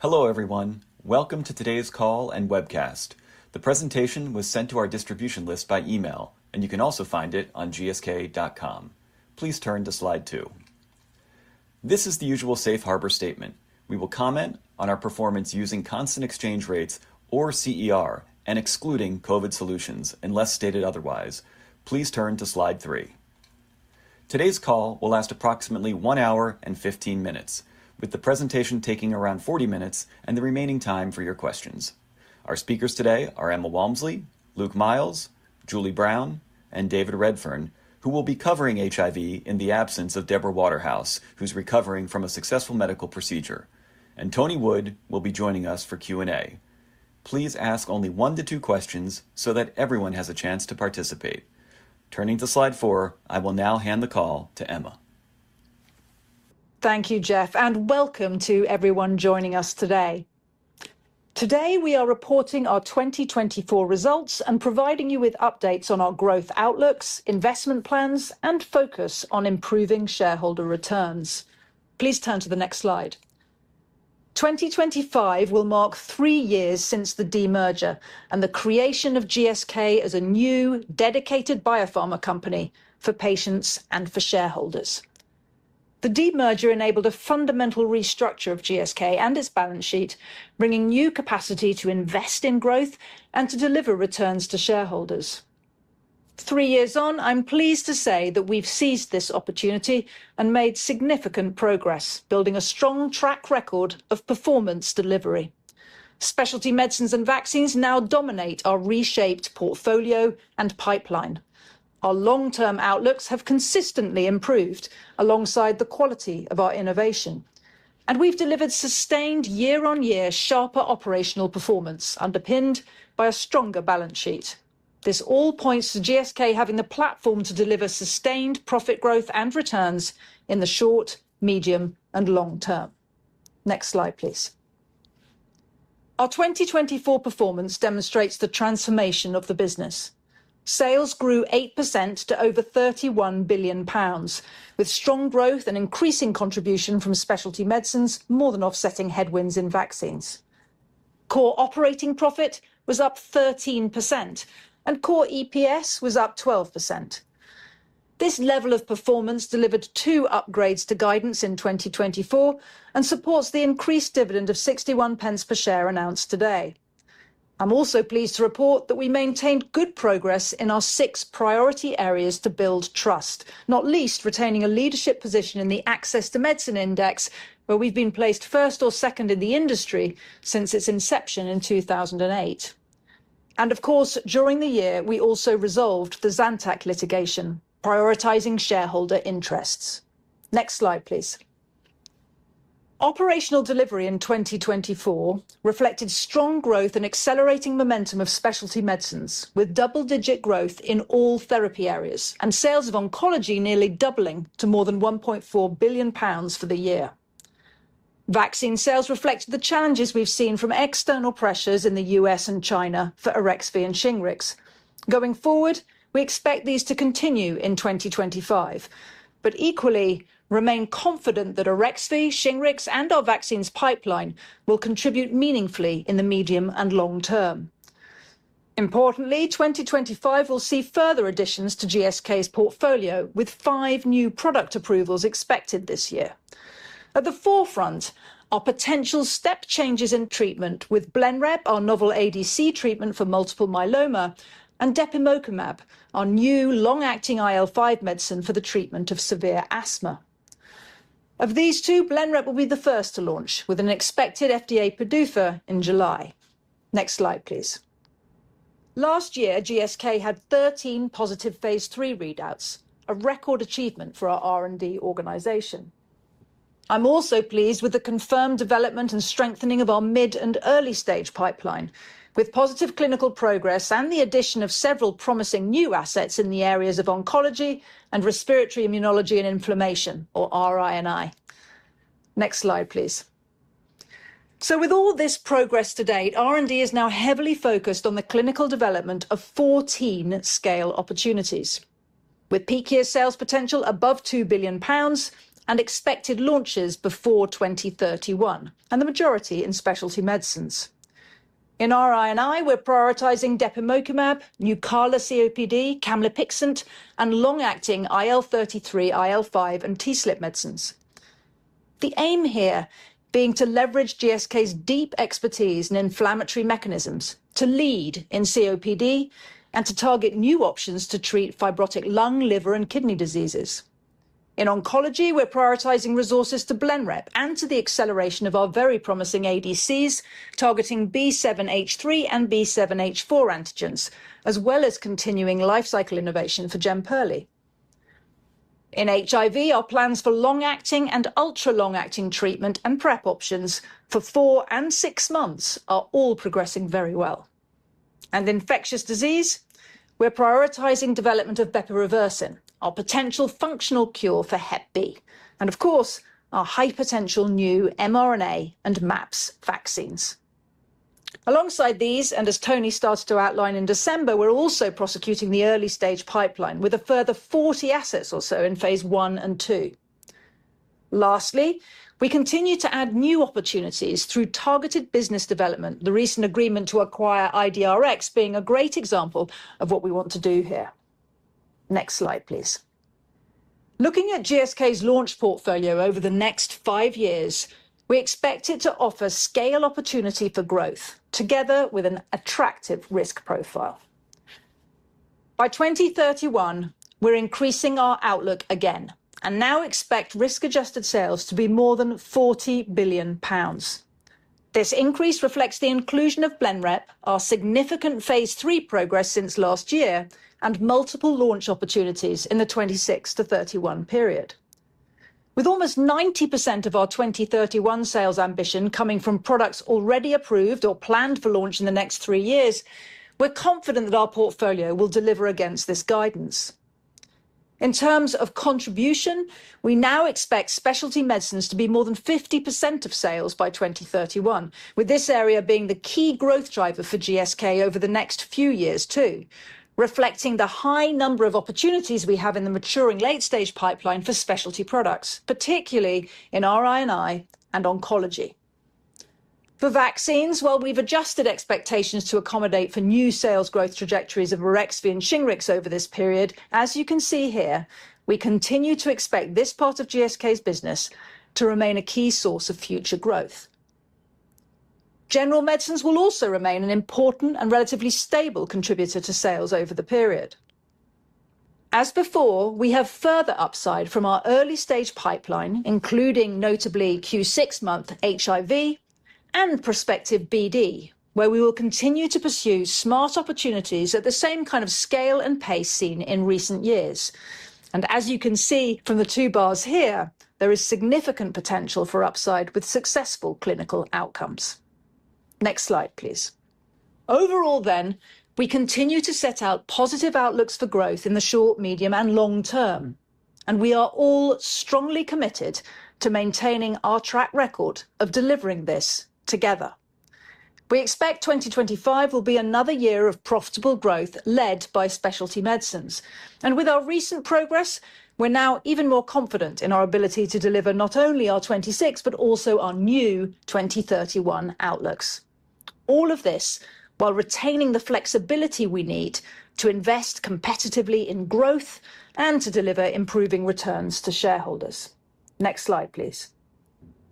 Hello everyone, welcome to today's call and webcast. The presentation was sent to our distribution list by email, and you can also find it on gsk.com. Please turn to slide two. This is the usual safe harbor statement. We will comment on our performance using constant exchange rates or CER and excluding COVID solutions, unless stated otherwise. Please turn to slide three. Today's call will last approximately one hour and fifteen minutes, with the presentation taking around forty minutes and the remaining time for your questions. Our speakers today are Emma Walmsley, Luke Miels, Julie Brown, and David Redfern, who will be covering HIV in the absence of Deborah Waterhouse, who's recovering from a successful medical procedure, and Tony Wood will be joining us for Q&A. Please ask only one to two questions so that everyone has a chance to participate. Turning to slide four, I will now hand the call to Emma. Thank you, Jeff, and welcome to everyone joining us today. Today we are reporting our 2024 results and providing you with updates on our growth outlooks, investment plans, and focus on improving shareholder returns. Please turn to the next slide. 2025 will mark three years since the de-merger and the creation of GSK as a new dedicated biopharma company for patients and for shareholders. The de-merger enabled a fundamental restructure of GSK and its balance sheet, bringing new capacity to invest in growth and to deliver returns to shareholders. Three years on, I'm pleased to say that we've seized this opportunity and made significant progress, building a strong track record of performance delivery. Specialty medicines and vaccines now dominate our reshaped portfolio and pipeline. Our long-term outlooks have consistently improved alongside the quality of our innovation, and we've delivered sustained year-on-year sharper operational performance underpinned by a stronger balance sheet. This all points to GSK having the platform to deliver sustained profit growth and returns in the short, medium, and long-term. Next slide, please. Our 2024 performance demonstrates the transformation of the business. Sales grew 8% to over 31 billion pounds, with strong growth and increasing contribution from specialty medicines more than offsetting headwinds in vaccines. Core operating profit was up 13%, and core EPS was up 12%. This level of performance delivered two upgrades to guidance in 2024 and supports the increased dividend of 0.61 per share announced today. I'm also pleased to report that we maintained good progress in our six priority areas to build trust, not least retaining a leadership position in the Access to Medicine Index, where we've been placed first or second in the industry since its inception in 2008. Of course, during the year, we also resolved the Zantac litigation, prioritizing shareholder interests. Next slide, please. Operational delivery in 2024 reflected strong growth and accelerating momentum of specialty medicines, with double-digit growth in all therapy areas and sales of oncology nearly doubling to more than 1.4 billion pounds for the year. Vaccine sales reflected the challenges we've seen from external pressures in the U.S. and China for AREXVY and SHINGRIX. Going forward, we expect these to continue in 2025, but equally remain confident that AREXVY, SHINGRIX, and our vaccines pipeline will contribute meaningfully in the medium and long-term. Importantly, 2025 will see further additions to GSK's portfolio, with five new product approvals expected this year. At the forefront are potential step changes in treatment with Blenrep, our novel ADC treatment for multiple myeloma, and Depemokimab, our new long-acting IL-5 medicine for the treatment of severe asthma. Of these two, Blenrep will be the first to launch, with an expected FDA PDUFA in July. Next slide, please. Last year, GSK had 13 positive phase III readouts, a record achievement for our R&D organization. I'm also pleased with the confirmed development and strengthening of our mid and early stage pipeline, with positive clinical progress and the addition of several promising new assets in the areas of oncology and respiratory immunology and inflammation, or RINI. Next slide, please. So with all this progress to date, R&D is now heavily focused on the clinical development of 14 scale opportunities, with peak year sales potential above 2 billion pounds and expected launches before 2031, and the majority in specialty medicines. In RINI, we're prioritizing Depemokimab, Nucala COPD, Camlipixant, and long-acting IL-33, IL-5, and TSLP medicines. The aim here being to leverage GSK's deep expertise in inflammatory mechanisms, to lead in COPD, and to target new options to treat fibrotic lung, liver, and kidney diseases. In oncology, we're prioritizing resources to Blenrep and to the acceleration of our very promising ADCs, targeting B7-H3 and B7-H4 antigens, as well as continuing life cycle innovation for Jemperli. In HIV, our plans for long-acting and ultra-long-acting treatment and PrEP options for four and six months are all progressing very well. And infectious disease, we're prioritizing development of Bepirovirsen, our potential functional cure for Hep B, and of course, our high potential new mRNA and MAPS vaccines. Alongside these, and as Tony started to outline in December, we're also prosecuting the early stage pipeline with a further 40 assets or so in phase I and II. Lastly, we continue to add new opportunities through targeted business development, the recent agreement to acquire IDRx being a great example of what we want to do here. Next slide, please. Looking at GSK's launch portfolio over the next five years, we expect it to offer scale opportunity for growth together with an attractive risk profile. By 2031, we're increasing our outlook again and now expect risk-adjusted sales to be more than 40 billion pounds. This increase reflects the inclusion of Blenrep, our significant phase III progress since last year, and multiple launch opportunities in the 26-31 period. With almost 90% of our 2031 sales ambition coming from products already approved or planned for launch in the next three years, we're confident that our portfolio will deliver against this guidance. In terms of contribution, we now expect specialty medicines to be more than 50% of sales by 2031, with this area being the key growth driver for GSK over the next few years too, reflecting the high number of opportunities we have in the maturing late stage pipeline for specialty products, particularly in RINI and oncology. For vaccines, while we've adjusted expectations to accommodate for new sales growth trajectories of Arexvi and SHINGRIX over this period, as you can see here, we continue to expect this part of GSK's business to remain a key source of future growth. General medicines will also remain an important and relatively stable contributor to sales over the period. As before, we have further upside from our early stage pipeline, including notably six-month HIV and prospective BD, where we will continue to pursue smart opportunities at the same kind of scale and pace seen in recent years. And as you can see from the two bars here, there is significant potential for upside with successful clinical outcomes. Next slide, please. Overall then, we continue to set out positive outlooks for growth in the short, medium, and long-term, and we are all strongly committed to maintaining our track record of delivering this together. We expect 2025 will be another year of profitable growth led by specialty medicines, and with our recent progress, we're now even more confident in our ability to deliver not only our 26 but also our new 2031 outlooks. All of this while retaining the flexibility we need to invest competitively in growth and to deliver improving returns to shareholders. Next slide, please.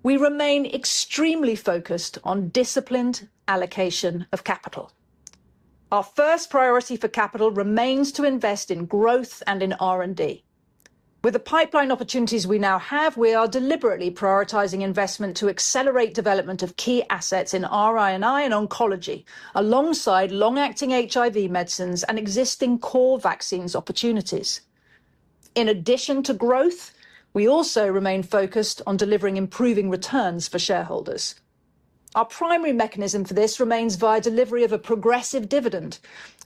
We remain extremely focused on disciplined allocation of capital. Our first priority for capital remains to invest in growth and in R&D. With the pipeline opportunities we now have, we are deliberately prioritizing investment to accelerate development of key assets in RINI and oncology alongside long-acting HIV medicines and existing core vaccines opportunities. In addition to growth, we also remain focused on delivering improving returns for shareholders. Our primary mechanism for this remains via delivery of a progressive dividend.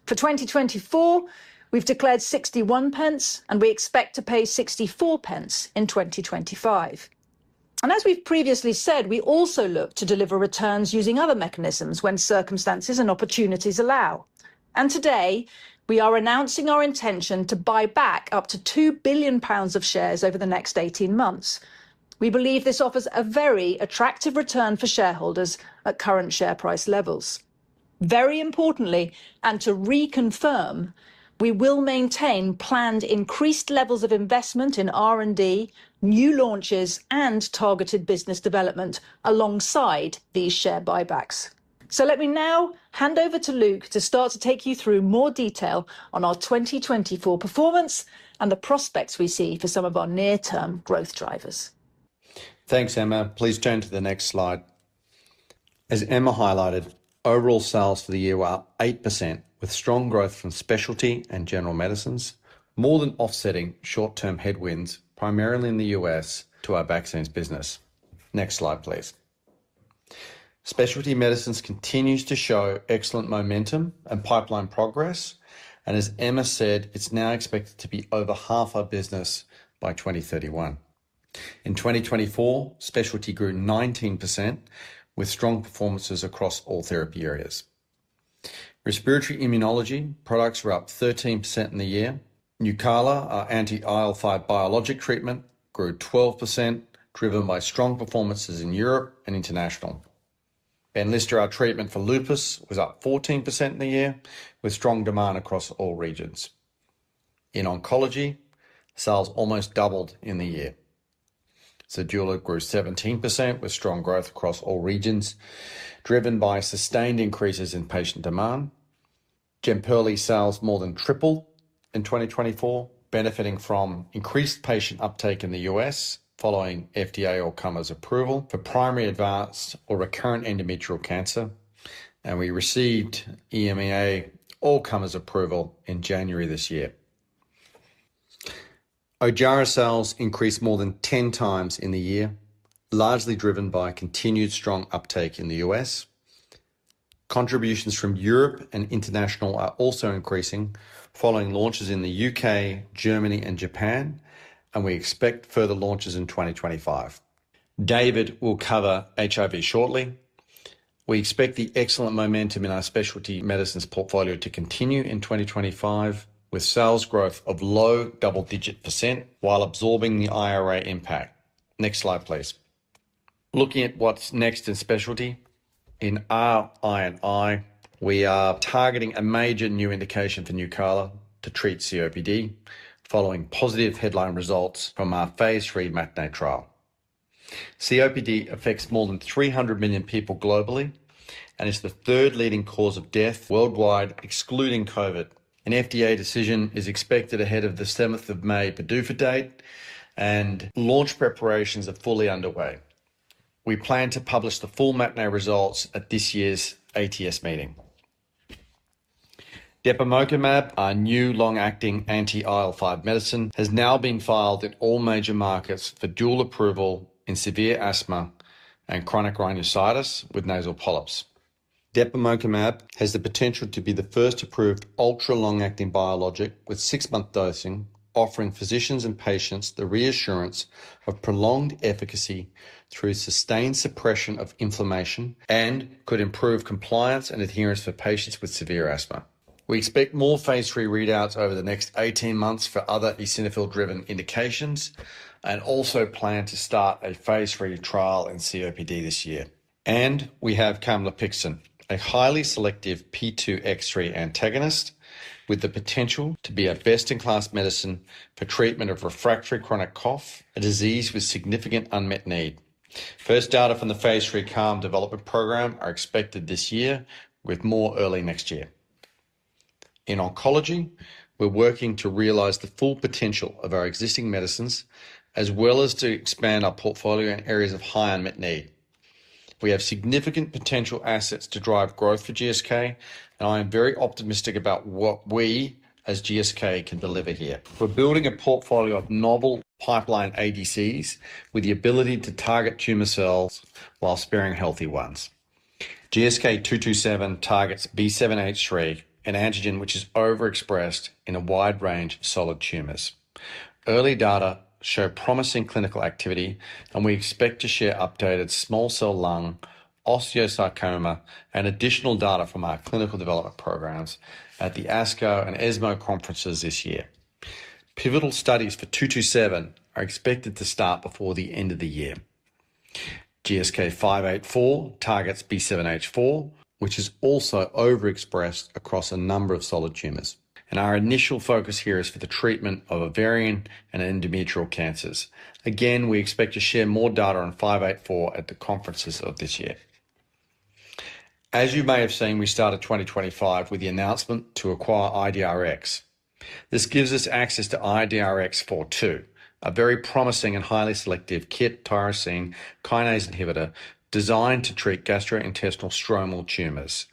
For 2024, we've declared 0.61, and we expect to pay 0.64 in 2025. And as we've previously said, we also look to deliver returns using other mechanisms when circumstances and opportunities allow. Today, we are announcing our intention to buy back up to 2 billion pounds of shares over the next 18 months. We believe this offers a very attractive return for shareholders at current share price levels. Very importantly, and to reconfirm, we will maintain planned increased levels of investment in R&D, new launches, and targeted business development alongside these share buybacks. Let me now hand over to Luke to start to take you through more detail on our 2024 performance and the prospects we see for some of our near-term growth drivers. Thanks, Emma. Please turn to the next slide. As Emma highlighted, overall sales for the year were up 8%, with strong growth from specialty and general medicines, more than offsetting short-term headwinds primarily in the U.S. to our vaccines business. Next slide, please. Specialty medicines continues to show excellent momentum and pipeline progress, and as Emma said, it's now expected to be over half our business by 2031. In 2024, specialty grew 19%, with strong performances across all therapy areas. Respiratory immunology products were up 13% in the year. Nucala, our anti-IL-5 biologic treatment, grew 12%, driven by strong performances in Europe and international. Benlysta, our treatment for lupus, was up 14% in the year, with strong demand across all regions. In oncology, sales almost doubled in the year. Zejula grew 17%, with strong growth across all regions, driven by sustained increases in patient demand. Jemperli sales more than tripled in 2024, benefiting from increased patient uptake in the U.S. following FDA all-comers approval for primary advanced or recurrent endometrial cancer, and we received EMEA all-comers approval in January this year. Ojjaara sales increased more than 10 times in the year, largely driven by continued strong uptake in the U.S. Contributions from Europe and international are also increasing following launches in the U.K., Germany, and Japan, and we expect further launches in 2025. David will cover HIV shortly. We expect the excellent momentum in our specialty medicines portfolio to continue in 2025, with sales growth of low-double-digit % while absorbing the IRA impact. Next slide, please. Looking at what's next in specialty, in RINI, we are targeting a major new indication for Nucala to treat COPD following positive headline results from our phase III MATINE trial. COPD affects more than 300 million people globally and is the third leading cause of death worldwide, excluding COVID. An FDA decision is expected ahead of the 7th of May PDUFA date, and launch preparations are fully underway. We plan to publish the full MATINE results at this year's ATS meeting. Depemokimab, our new long-acting anti-IL-5 medicine, has now been filed in all major markets for dual approval in severe asthma and chronic rhinosinusitis with nasal polyps. Depemokimab has the potential to be the first approved ultra-long-acting biologic with six-month dosing, offering physicians and patients the reassurance of prolonged efficacy through sustained suppression of inflammation and could improve compliance and adherence for patients with severe asthma. We expect more phase III readouts over the next 18 months for other eosinophil-driven indications and also plan to start a phase III trial in COPD this year. We have Camlipixant, a highly selective P2X3 antagonist with the potential to be a best-in-class medicine for treatment of refractory chronic cough, a disease with significant unmet need. First data from the phase III CALM development program are expected this year, with more early next year. In oncology, we're working to realize the full potential of our existing medicines, as well as to expand our portfolio in areas of high unmet need. We have significant potential assets to drive growth for GSK, and I am very optimistic about what we as GSK can deliver here. We're building a portfolio of novel pipeline ADCs with the ability to target tumor cells while sparing healthy ones. GSK227 targets B7-H3, an antigen which is overexpressed in a wide range of solid tumors. Early data show promising clinical activity, and we expect to share updated small cell lung cancer and osteosarcoma and additional data from our clinical development programs at the ASCO and ESMO conferences this year. Pivotal studies for 227 are expected to start before the end of the year. GSK584 targets B7-H4, which is also overexpressed across a number of solid tumors, and our initial focus here is for the treatment of ovarian and endometrial cancers. Again, we expect to share more data on 584 at the conferences of this year. As you may have seen, we started 2025 with the announcement to acquire IDRx. This gives us access to IDRx-42, a very promising and highly selective KIT tyrosine kinase inhibitor designed to treat gastrointestinal stromal tumors.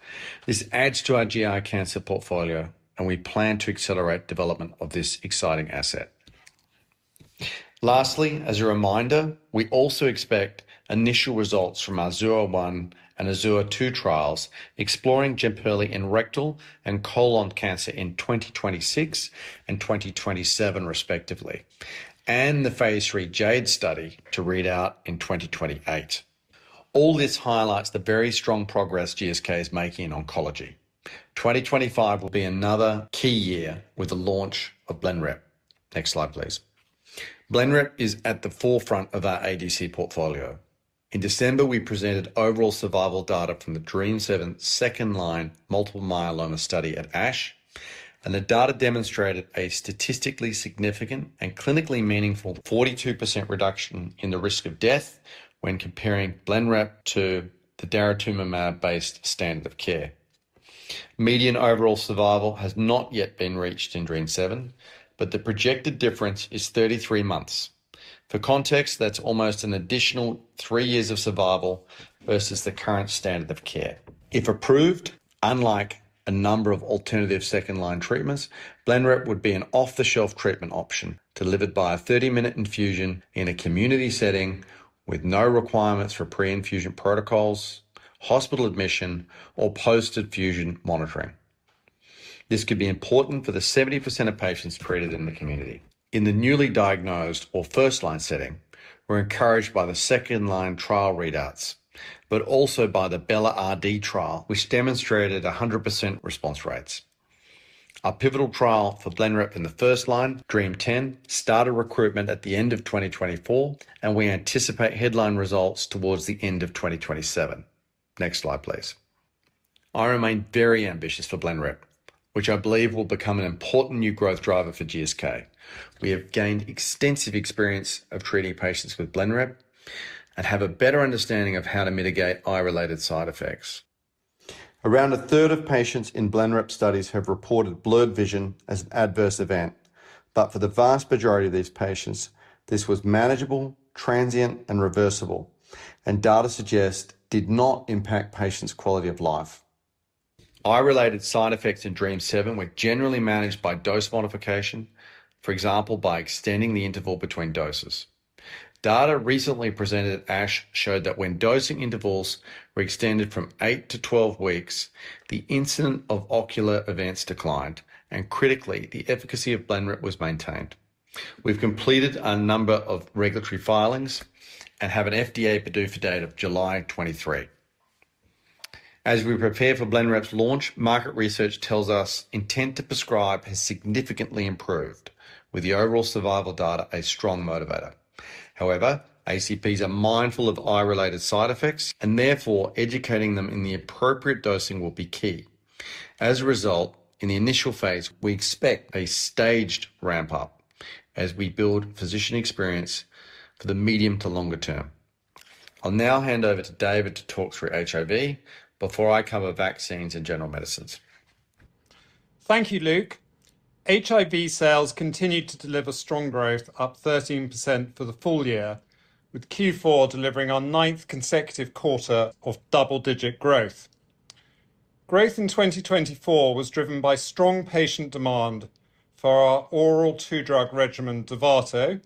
This adds to our GI cancer portfolio, and we plan to accelerate development of this exciting asset. Lastly, as a reminder, we also expect initial results from our AZUR-1 and AZUR-2 trials exploring Jemperli in rectal and colon cancer in 2026 and 2027, respectively, and the phase III JADE study to read out in 2028. All this highlights the very strong progress GSK is making in oncology. 2025 will be another key year with the launch of Blenrep. Next slide, please. Blenrep is at the forefront of our ADC portfolio. In December, we presented overall survival data from the DREAMM-7 second-line multiple myeloma study at ASH, and the data demonstrated a statistically significant and clinically meaningful 42% reduction in the risk of death when comparing Blenrep to the daratumumab-based standard of care. Median overall survival has not yet been reached in DREAMM-7, but the projected difference is 33 months. For context, that's almost an additional three years of survival versus the current standard of care. If approved, unlike a number of alternative second-line treatments, Blenrep would be an off-the-shelf treatment option delivered by a 30-minute infusion in a community setting with no requirements for pre-infusion protocols, hospital admission, or post-infusion monitoring. This could be important for the 70% of patients treated in the community. In the newly diagnosed or first-line setting, we're encouraged by the second-line trial readouts, but also by the BelaRD trial, which demonstrated 100% response rates. Our pivotal trial for Blenrep in the first line, DREAMM-10, started recruitment at the end of 2024, and we anticipate headline results towards the end of 2027. Next slide, please. I remain very ambitious for Blenrep, which I believe will become an important new growth driver for GSK. We have gained extensive experience of treating patients with Blenrep and have a better understanding of how to mitigate eye-related side effects. Around a third of patients in Blenrep studies have reported blurred vision as an adverse event, but for the vast majority of these patients, this was manageable, transient, and reversible, and data suggest did not impact patients' quality of life. Eye-related side effects in DREAMM-7 were generally managed by dose modification, for example, by extending the interval between doses. Data recently presented at ASH showed that when dosing intervals were extended from 8-12 weeks, the incidence of ocular events declined, and critically, the efficacy of Blenrep was maintained. We've completed a number of regulatory filings and have an FDA PDUFA date of July 23. As we prepare for Blenrep's launch, market research tells us intent to prescribe has significantly improved, with the overall survival data a strong motivator. However, ACPs are mindful of eye-related side effects, and therefore educating them in the appropriate dosing will be key. As a result, in the initial phase, we expect a staged ramp-up as we build physician experience for the medium to longer term. I'll now hand over to David to talk through HIV before I cover vaccines and general medicines. Thank you, Luke. HIV sales continued to deliver strong growth, up 13% for the full year, with Q4 delivering our ninth consecutive quarter of double-digit growth. Growth in 2024 was driven by strong patient demand for our oral two-drug regimen, Dovato,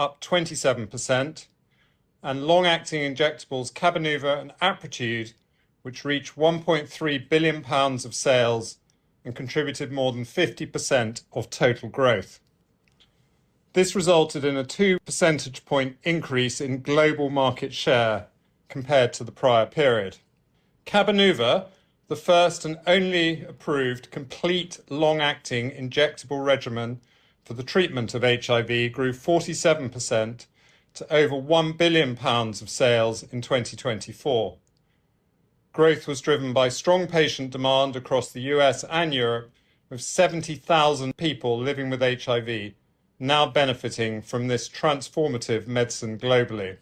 up 27%, and long-acting injectables Cabenuva and Apretude, which reached 1.3 billion pounds of sales and contributed more than 50% of total growth. This resulted in a 2 percentage point increase in global market share compared to the prior period. Cabenuva, the first and only approved complete long-acting injectable regimen for the treatment of HIV, grew 47% to over 1 billion pounds of sales in 2024. Growth was driven by strong patient demand across the U.S. and Europe, with 70,000 people living with HIV now benefiting from this transformative medicine globally.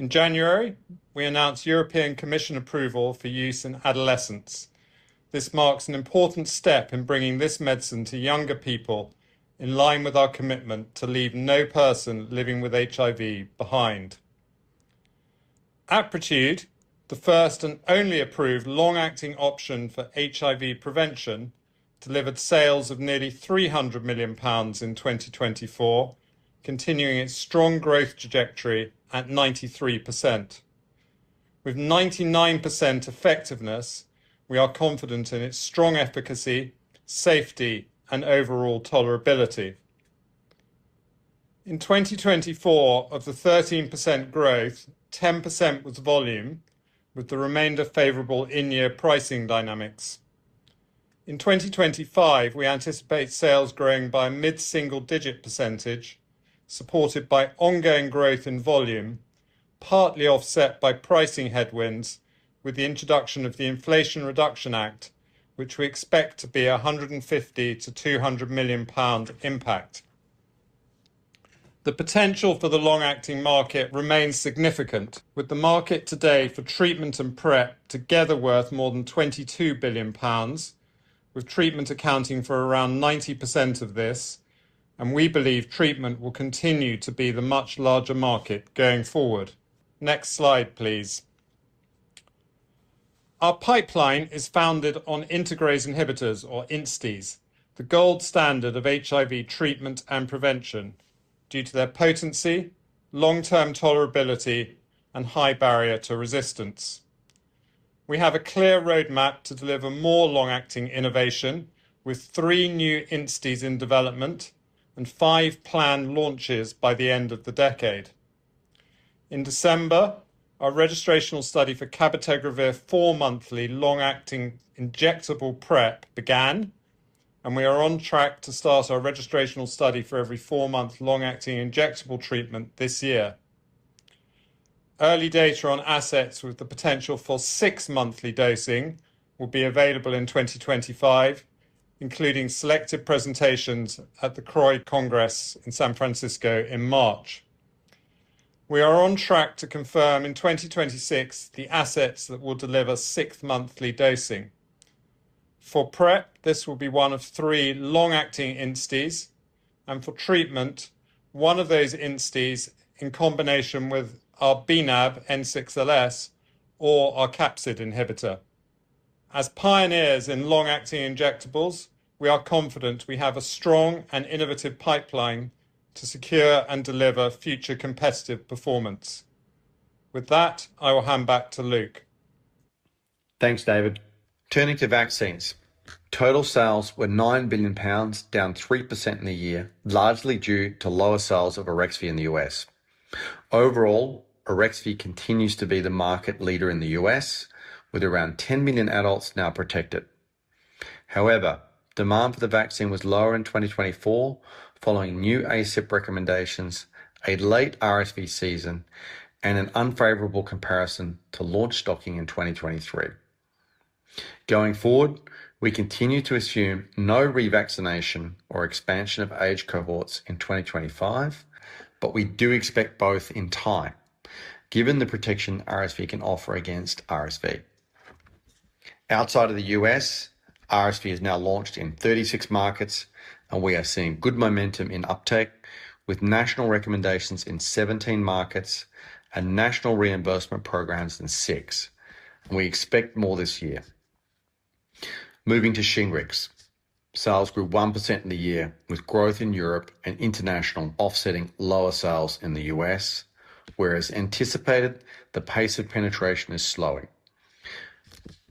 In January, we announced European Commission approval for use in adolescents. This marks an important step in bringing this medicine to younger people in line with our commitment to leave no person living with HIV behind. Apretude, the first and only approved long-acting option for HIV prevention, delivered sales of nearly 300 million pounds in 2024, continuing its strong growth trajectory at 93%. With 99% effectiveness, we are confident in its strong efficacy, safety, and overall tolerability. In 2024, of the 13% growth, 10% was volume, with the remainder favorable in-year pricing dynamics. In 2025, we anticipate sales growing by a mid-single-digit percentage, supported by ongoing growth in volume, partly offset by pricing headwinds with the introduction of the Inflation Reduction Act, which we expect to be a 150-200 million pound impact. The potential for the long-acting market remains significant, with the market today for treatment and PrEP together worth more than 22 billion pounds, with treatment accounting for around 90% of this, and we believe treatment will continue to be the much larger market going forward. Next slide, please. Our pipeline is founded on integrase inhibitors, or INSTIs, the gold standard of HIV treatment and prevention due to their potency, long-term tolerability, and high barrier to resistance. We have a clear roadmap to deliver more long-acting innovation, with three new INSTIs in development and five planned launches by the end of the decade. In December, our registrational study for cabotegravir four-monthly long-acting injectable PrEP began, and we are on track to start our registrational study for every four-month long-acting injectable treatment this year. Early data on assets with the potential for six-monthly dosing will be available in 2025, including selected presentations at the CROI Congress in San Francisco in March. We are on track to confirm in 2026 the assets that will deliver six-monthly dosing. For PrEP, this will be one of three long-acting INSTIs, and for treatment, one of those INSTIs in combination with our bNAb N6LS or our capsid inhibitor. As pioneers in long-acting injectables, we are confident we have a strong and innovative pipeline to secure and deliver future competitive performance. With that, I will hand back to Luke. Thanks, David. Turning to vaccines, total sales were 9 billion pounds, down 3% in the year, largely due to lower sales of Arexvi in the U.S. Overall, Arexvi continues to be the market leader in the U.S., with around 10 million adults now protected. However, demand for the vaccine was lower in 2024, following new ACIP recommendations, a late RSV season, and an unfavorable comparison to launch stocking in 2023. Going forward, we continue to assume no revaccination or expansion of age cohorts in 2025, but we do expect both in time, given the protection RSV can offer against RSV. Outside of the U.S., RSV is now launched in 36 markets, and we are seeing good momentum in uptake, with national recommendations in 17 markets and national reimbursement programs in six. We expect more this year. Moving to SHINGRIX, sales grew 1% in the year, with growth in Europe and international offsetting lower sales in the U.S., as anticipated, the pace of penetration is slowing.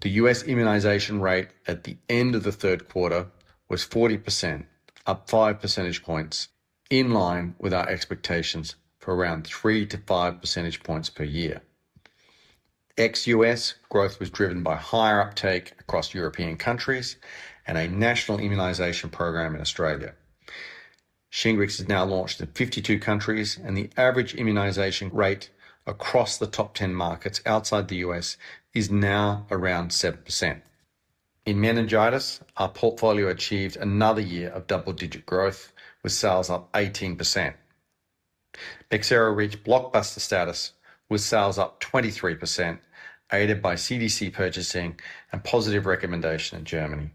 The U.S. immunization rate at the end of the third quarter was 40%, up 5 percentage points, in line with our expectations for around 3-5 percentage points per year. Ex-U.S. growth was driven by higher uptake across European countries and a national immunization program in Australia. SHINGRIX is now launched in 52 countries, and the average immunization rate across the top 10 markets outside the U.S. is now around 7%. In meningitis, our portfolio achieved another year of double-digit growth, with sales up 18%. Bexsero reached blockbuster status, with sales up 23%, aided by CDC purchasing and positive recommendation in Germany.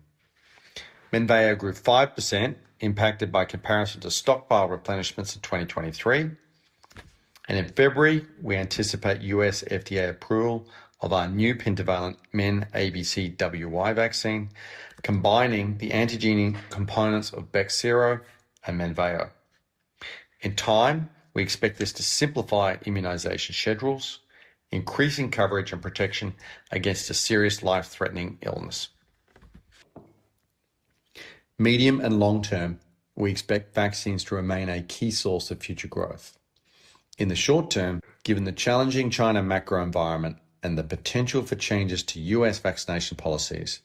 Menveo grew 5%, impacted by comparison to stockpile replenishments in 2023. In February, we anticipate U.S. FDA approval of our new pentavalent MenABCWY vaccine, combining the antigenic components of Bexsero and Menveo. In time, we expect this to simplify immunization schedules, increasing coverage and protection against a serious life-threatening illness. Medium and long-term, we expect vaccines to remain a key source of future growth. In the short-term, given the challenging China macro environment and the potential for changes to U.S. vaccination policies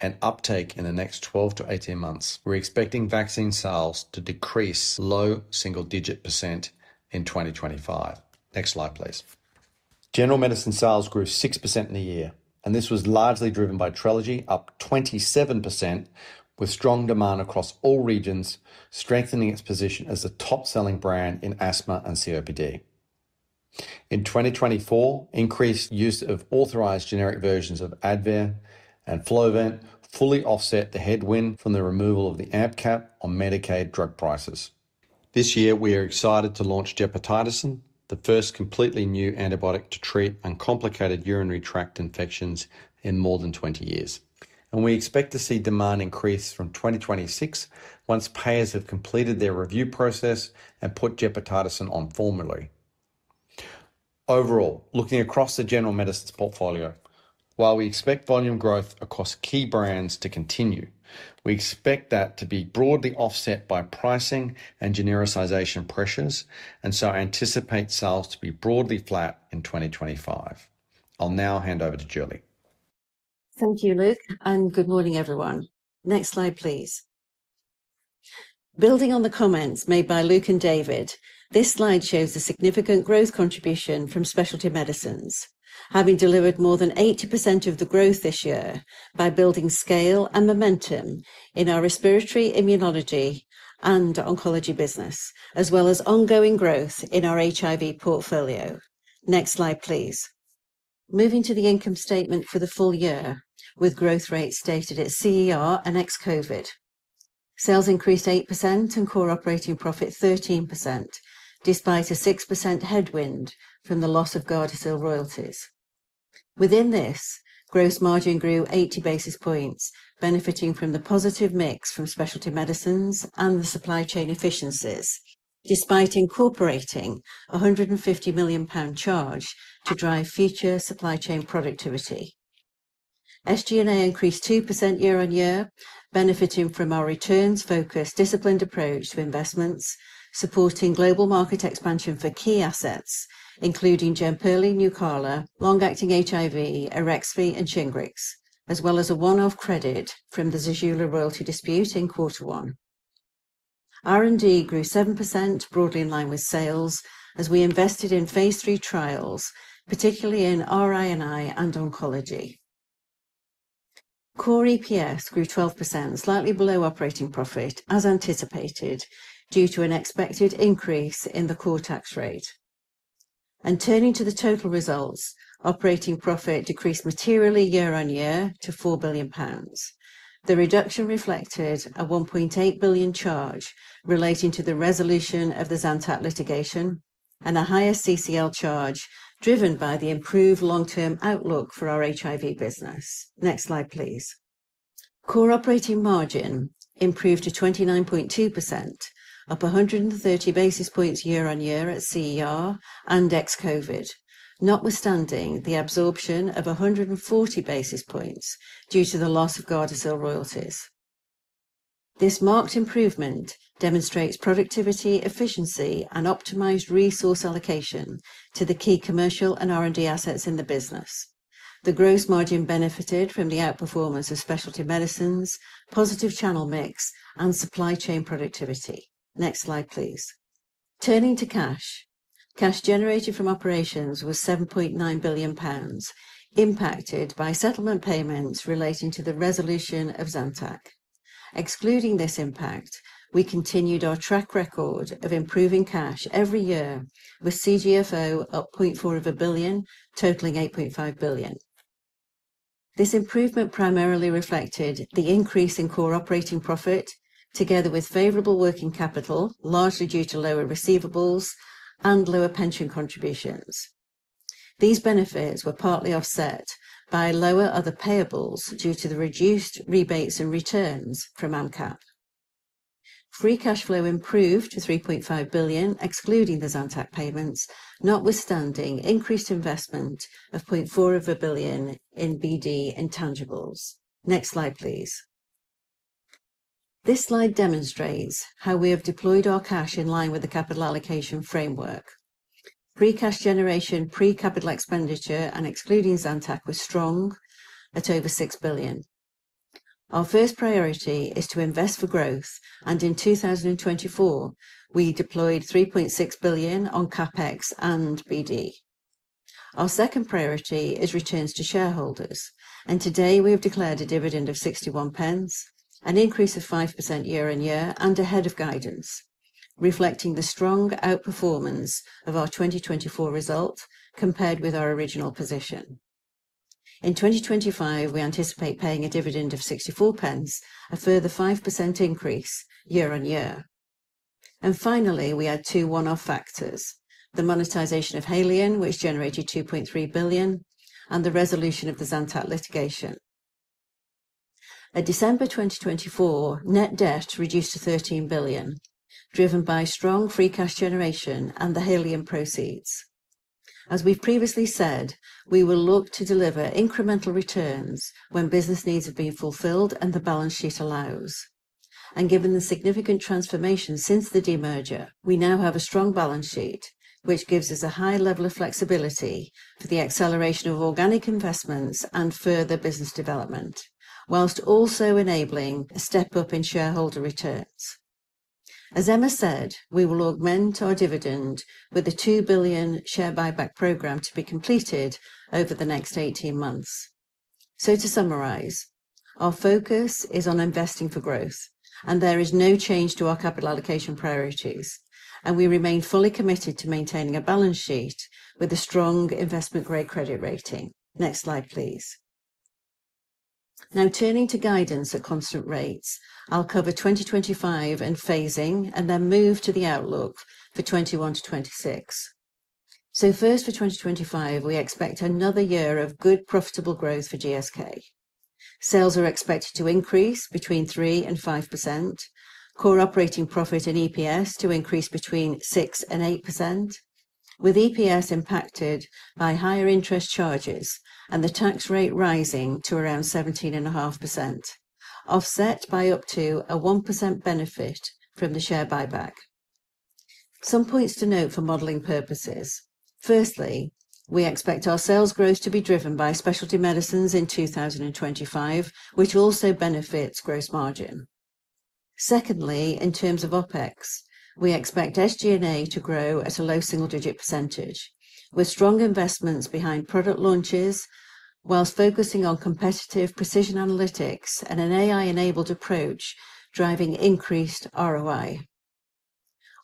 and uptake in the next 12-18 months, we're expecting vaccine sales to decrease to a low single-digit % in 2025. Next slide, please. General medicine sales grew 6% in the year, and this was largely driven by Trelegy, up 27%, with strong demand across all regions, strengthening its position as the top-selling brand in asthma and COPD. In 2024, increased use of authorized generic versions of Advair and Flovent fully offset the headwind from the removal of the AMP cap on Medicaid drug prices. This year, we are excited to launch Gepotidacin, the first completely new antibiotic to treat uncomplicated urinary tract infections in more than 20 years. And we expect to see demand increase from 2026 once payers have completed their review process and put Gepotidacin on formulary. Overall, looking across the general medicine portfolio, while we expect volume growth across key brands to continue, we expect that to be broadly offset by pricing and genericization pressures, and so anticipate sales to be broadly flat in 2025. I'll now hand over to Julie. Thank you, Luke, and good morning, everyone. Next slide, please. Building on the comments made by Luke and David, this slide shows the significant growth contribution from specialty medicines, having delivered more than 80% of the growth this year by building scale and momentum in our respiratory immunology and oncology business, as well as ongoing growth in our HIV portfolio. Next slide, please. Moving to the income statement for the full year, with growth rates stated at CER and ex-COVID. Sales increased 8% and core operating profit 13%, despite a 6% headwind from the loss of Gardasil royalties. Within this, gross margin grew 80 basis points, benefiting from the positive mix from specialty medicines and the supply chain efficiencies, despite incorporating a 150 million pound charge to drive future supply chain productivity. SG&A increased 2% year-on-year, benefiting from our returns-focused, disciplined approach to investments, supporting global market expansion for key assets, including Jemperli, Nucala, long-acting HIV, AREXVY, and SHINGRIX, as well as a one-off credit from the Zejula royalty dispute in quarter one. R&D grew 7%, broadly in line with sales, as we invested in phase III trials, particularly in RINI and oncology. Core EPS grew 12%, slightly below operating profit, as anticipated, due to an expected increase in the core tax rate. Turning to the total results, operating profit decreased materially year-on-year to 4 billion pounds. The reduction reflected a 1.8 billion charge relating to the resolution of the Zantac litigation and a higher CCL charge driven by the improved long-term outlook for our HIV business. Next slide, please. Core operating margin improved to 29.2%, up 130 basis points year-on-year at CER and ex-COVID, notwithstanding the absorption of 140 basis points due to the loss of Gardasil royalties. This marked improvement demonstrates productivity, efficiency, and optimized resource allocation to the key commercial and R&D assets in the business. The gross margin benefited from the outperformance of specialty medicines, positive channel mix, and supply chain productivity. Next slide, please. Turning to cash, cash generated from operations was 7.9 billion pounds, impacted by settlement payments relating to the resolution of Zantac. Excluding this impact, we continued our track record of improving cash every year, with CGFO up 0.4 of a billion, totaling 8.5 billion. This improvement primarily reflected the increase in core operating profit, together with favorable working capital, largely due to lower receivables and lower pension contributions. These benefits were partly offset by lower other payables due to the reduced rebates and returns from AMP Cap. Free cash flow improved to 3.5 billion, excluding the Zantac payments, notwithstanding increased investment of 400 million in BD intangibles. Next slide, please. This slide demonstrates how we have deployed our cash in line with the capital allocation framework. Free cash generation, pre-capital expenditure, and excluding Zantac was strong at over 6 billion. Our first priority is to invest for growth, and in 2024, we deployed 3.6 billion on CapEx and BD. Our second priority is returns to shareholders, and today we have declared a dividend of 0.61, an increase of 5% year-on-year, and ahead of guidance, reflecting the strong outperformance of our 2024 result compared with our original position. In 2025, we anticipate paying a dividend of 0.64, a further 5% increase year-on-year. Finally, we add two one-off factors: the monetization of Haleon, which generated 2.3 billion, and the resolution of the Zantac litigation. At December 2024, net debt reduced to 13 billion, driven by strong free cash generation and the Haleon proceeds. As we've previously said, we will look to deliver incremental returns when business needs have been fulfilled and the balance sheet allows. Given the significant transformation since the demerger, we now have a strong balance sheet, which gives us a high level of flexibility for the acceleration of organic investments and further business development, while also enabling a step up in shareholder returns. As Emma said, we will augment our dividend with the 2 billion share buyback program to be completed over the next 18 months. To summarize, our focus is on investing for growth, and there is no change to our capital allocation priorities, and we remain fully committed to maintaining a balance sheet with a strong investment-grade credit rating. Next slide, please. Now, turning to guidance at constant rates, I'll cover 2025 and phasing, and then move to the outlook for 2021-2026. First, for 2025, we expect another year of good, profitable growth for GSK. Sales are expected to increase between 3% and 5%, core operating profit and EPS to increase between 6% and 8%, with EPS impacted by higher interest charges and the tax rate rising to around 17.5%, offset by up to a 1% benefit from the share buyback. Some points to note for modeling purposes. Firstly, we expect our sales growth to be driven by specialty medicines in 2025, which also benefits gross margin. Secondly, in terms of OpEx, we expect SG&A to grow at a low single-digit %, with strong investments behind product launches, while focusing on competitive precision analytics and an AI-enabled approach driving increased ROI.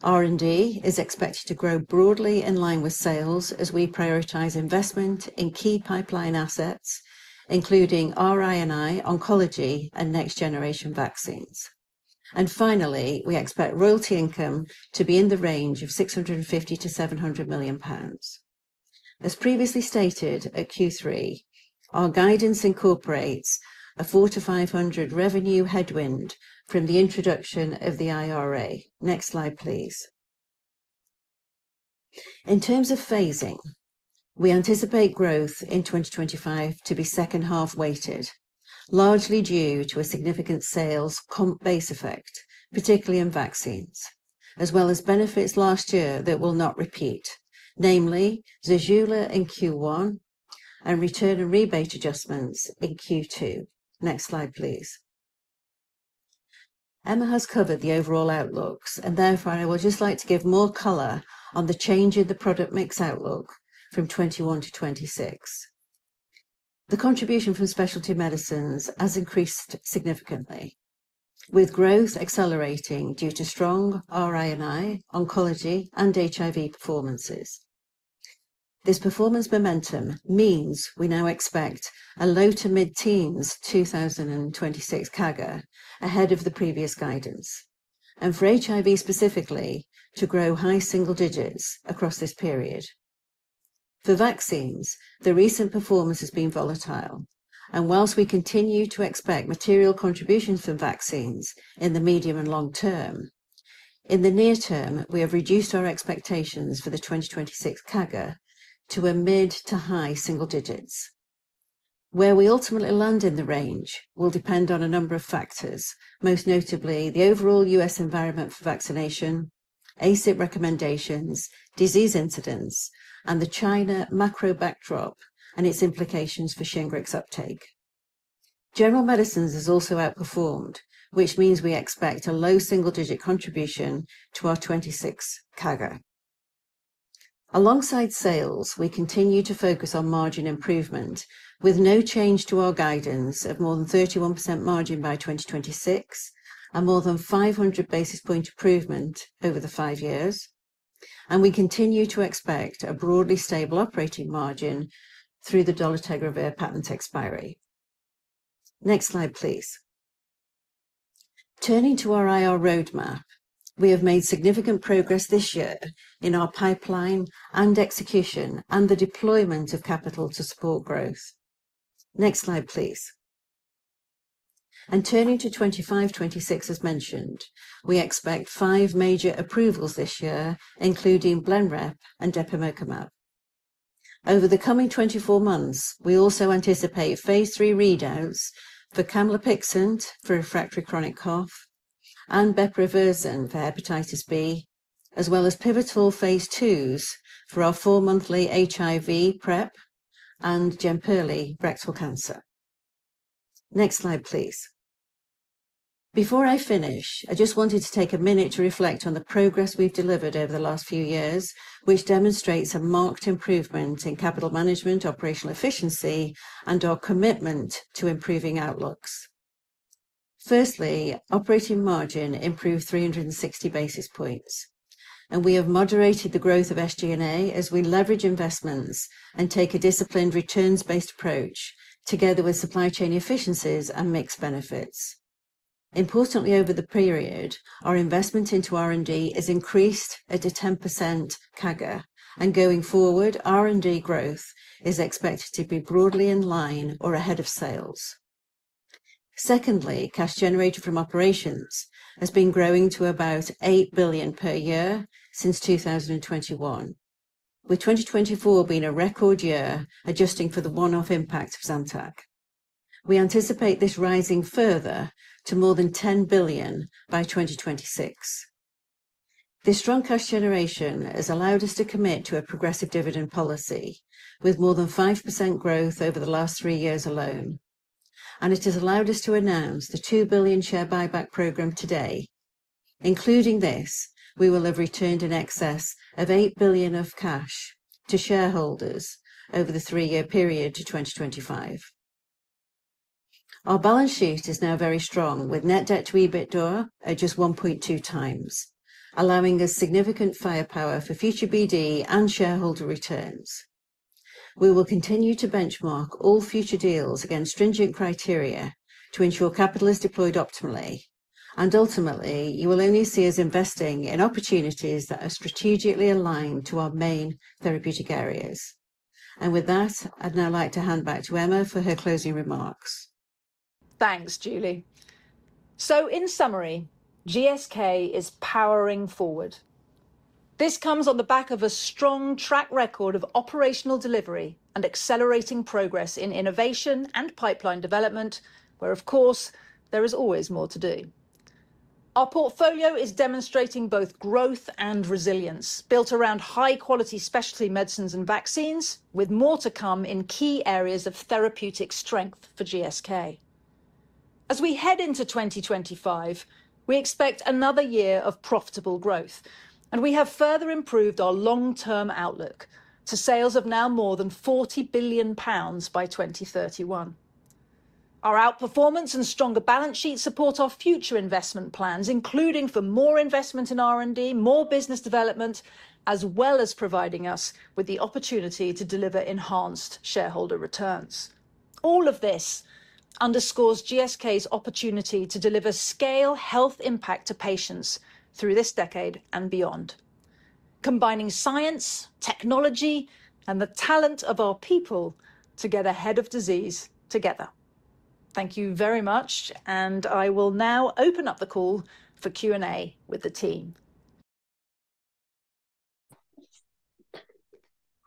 R&D is expected to grow broadly in line with sales as we prioritize investment in key pipeline assets, including RINI, oncology, and next-generation vaccines. And finally, we expect royalty income to be in the range of 650-700 million pounds. As previously stated at Q3, our guidance incorporates a 400- 500 revenue headwind from the introduction of the IRA. Next slide, please. In terms of phasing, we anticipate growth in 2025 to be second-half weighted, largely due to a significant sales comp base effect, particularly in vaccines, as well as benefits last year that will not repeat, namely Zejula in Q1 and return and rebate adjustments in Q2. Next slide, please. Emma has covered the overall outlooks, and therefore I would just like to give more color on the change in the product mix outlook from 2021-2026. The contribution from specialty medicines has increased significantly, with growth accelerating due to strong RINI, oncology, and HIV performances. This performance momentum means we now expect a low to mid-teens 2026 CAGR ahead of the previous guidance, and for HIV specifically, to grow high single digits across this period. For vaccines, the recent performance has been volatile, and while we continue to expect material contributions from vaccines in the medium and long-term, in the near-term, we have reduced our expectations for the 2026 CAGR to a mid to high single digits. Where we ultimately land in the range will depend on a number of factors, most notably the overall U.S. environment for vaccination, ACIP recommendations, disease incidence, and the China macro backdrop and its implications for SHINGRIX uptake. General medicines has also outperformed, which means we expect a low single-digit contribution to our 2026 CAGR. Alongside sales, we continue to focus on margin improvement, with no change to our guidance of more than 31% margin by 2026 and more than 500 basis point improvement over the five years, and we continue to expect a broadly stable operating margin through the Trelegy patent expiry. Next slide, please. Turning to our IR roadmap, we have made significant progress this year in our pipeline and execution and the deployment of capital to support growth. Next slide, please. Turning to 2025-2026, as mentioned, we expect five major approvals this year, including Blenrep and Depemokimab. Over the coming 24 months, we also anticipate phase III readouts for Camlipixant for refractory chronic cough and Bepirovirsen for hepatitis B, as well as pivotal phase II's for our four-monthly HIV PrEP and Jemperli rectal cancer. Next slide, please. Before I finish, I just wanted to take a minute to reflect on the progress we've delivered over the last few years, which demonstrates a marked improvement in capital management, operational efficiency, and our commitment to improving outlooks. Firstly, operating margin improved 360 basis points, and we have moderated the growth of SG&A as we leverage investments and take a disciplined returns-based approach, together with supply chain efficiencies and mixed benefits. Importantly, over the period, our investment into R&D has increased at a 10% CAGR, and going forward, R&D growth is expected to be broadly in line or ahead of sales. Secondly, cash generated from operations has been growing to about 8 billion per year since 2021, with 2024 being a record year adjusting for the one-off impact of Zantac. We anticipate this rising further to more than 10 billion by 2026. This strong cash generation has allowed us to commit to a progressive dividend policy, with more than 5% growth over the last three years alone, and it has allowed us to announce the 2 billion share buyback program today. Including this, we will have returned an excess of 8 billion of cash to shareholders over the three-year period to 2025. Our balance sheet is now very strong, with net debt to EBITDA at just 1.2 times, allowing us significant firepower for future BD and shareholder returns. We will continue to benchmark all future deals against stringent criteria to ensure capital is deployed optimally, and ultimately, you will only see us investing in opportunities that are strategically aligned to our main therapeutic areas. And with that, I'd now like to hand back to Emma for her closing remarks. Thanks, Julie. So, in summary, GSK is powering forward. This comes on the back of a strong track record of operational delivery and accelerating progress in innovation and pipeline development, where, of course, there is always more to do. Our portfolio is demonstrating both growth and resilience built around high-quality specialty medicines and vaccines, with more to come in key areas of therapeutic strength for GSK. As we head into 2025, we expect another year of profitable growth, and we have further improved our long-term outlook to sales of now more than 40 billion pounds by 2031. Our outperformance and stronger balance sheet support our future investment plans, including for more investment in R&D, more business development, as well as providing us with the opportunity to deliver enhanced shareholder returns. All of this underscores GSK's opportunity to deliver scale health impact to patients through this decade and beyond, combining science, technology, and the talent of our people to get ahead of disease together. Thank you very much, and I will now open up the call for Q&A with the team.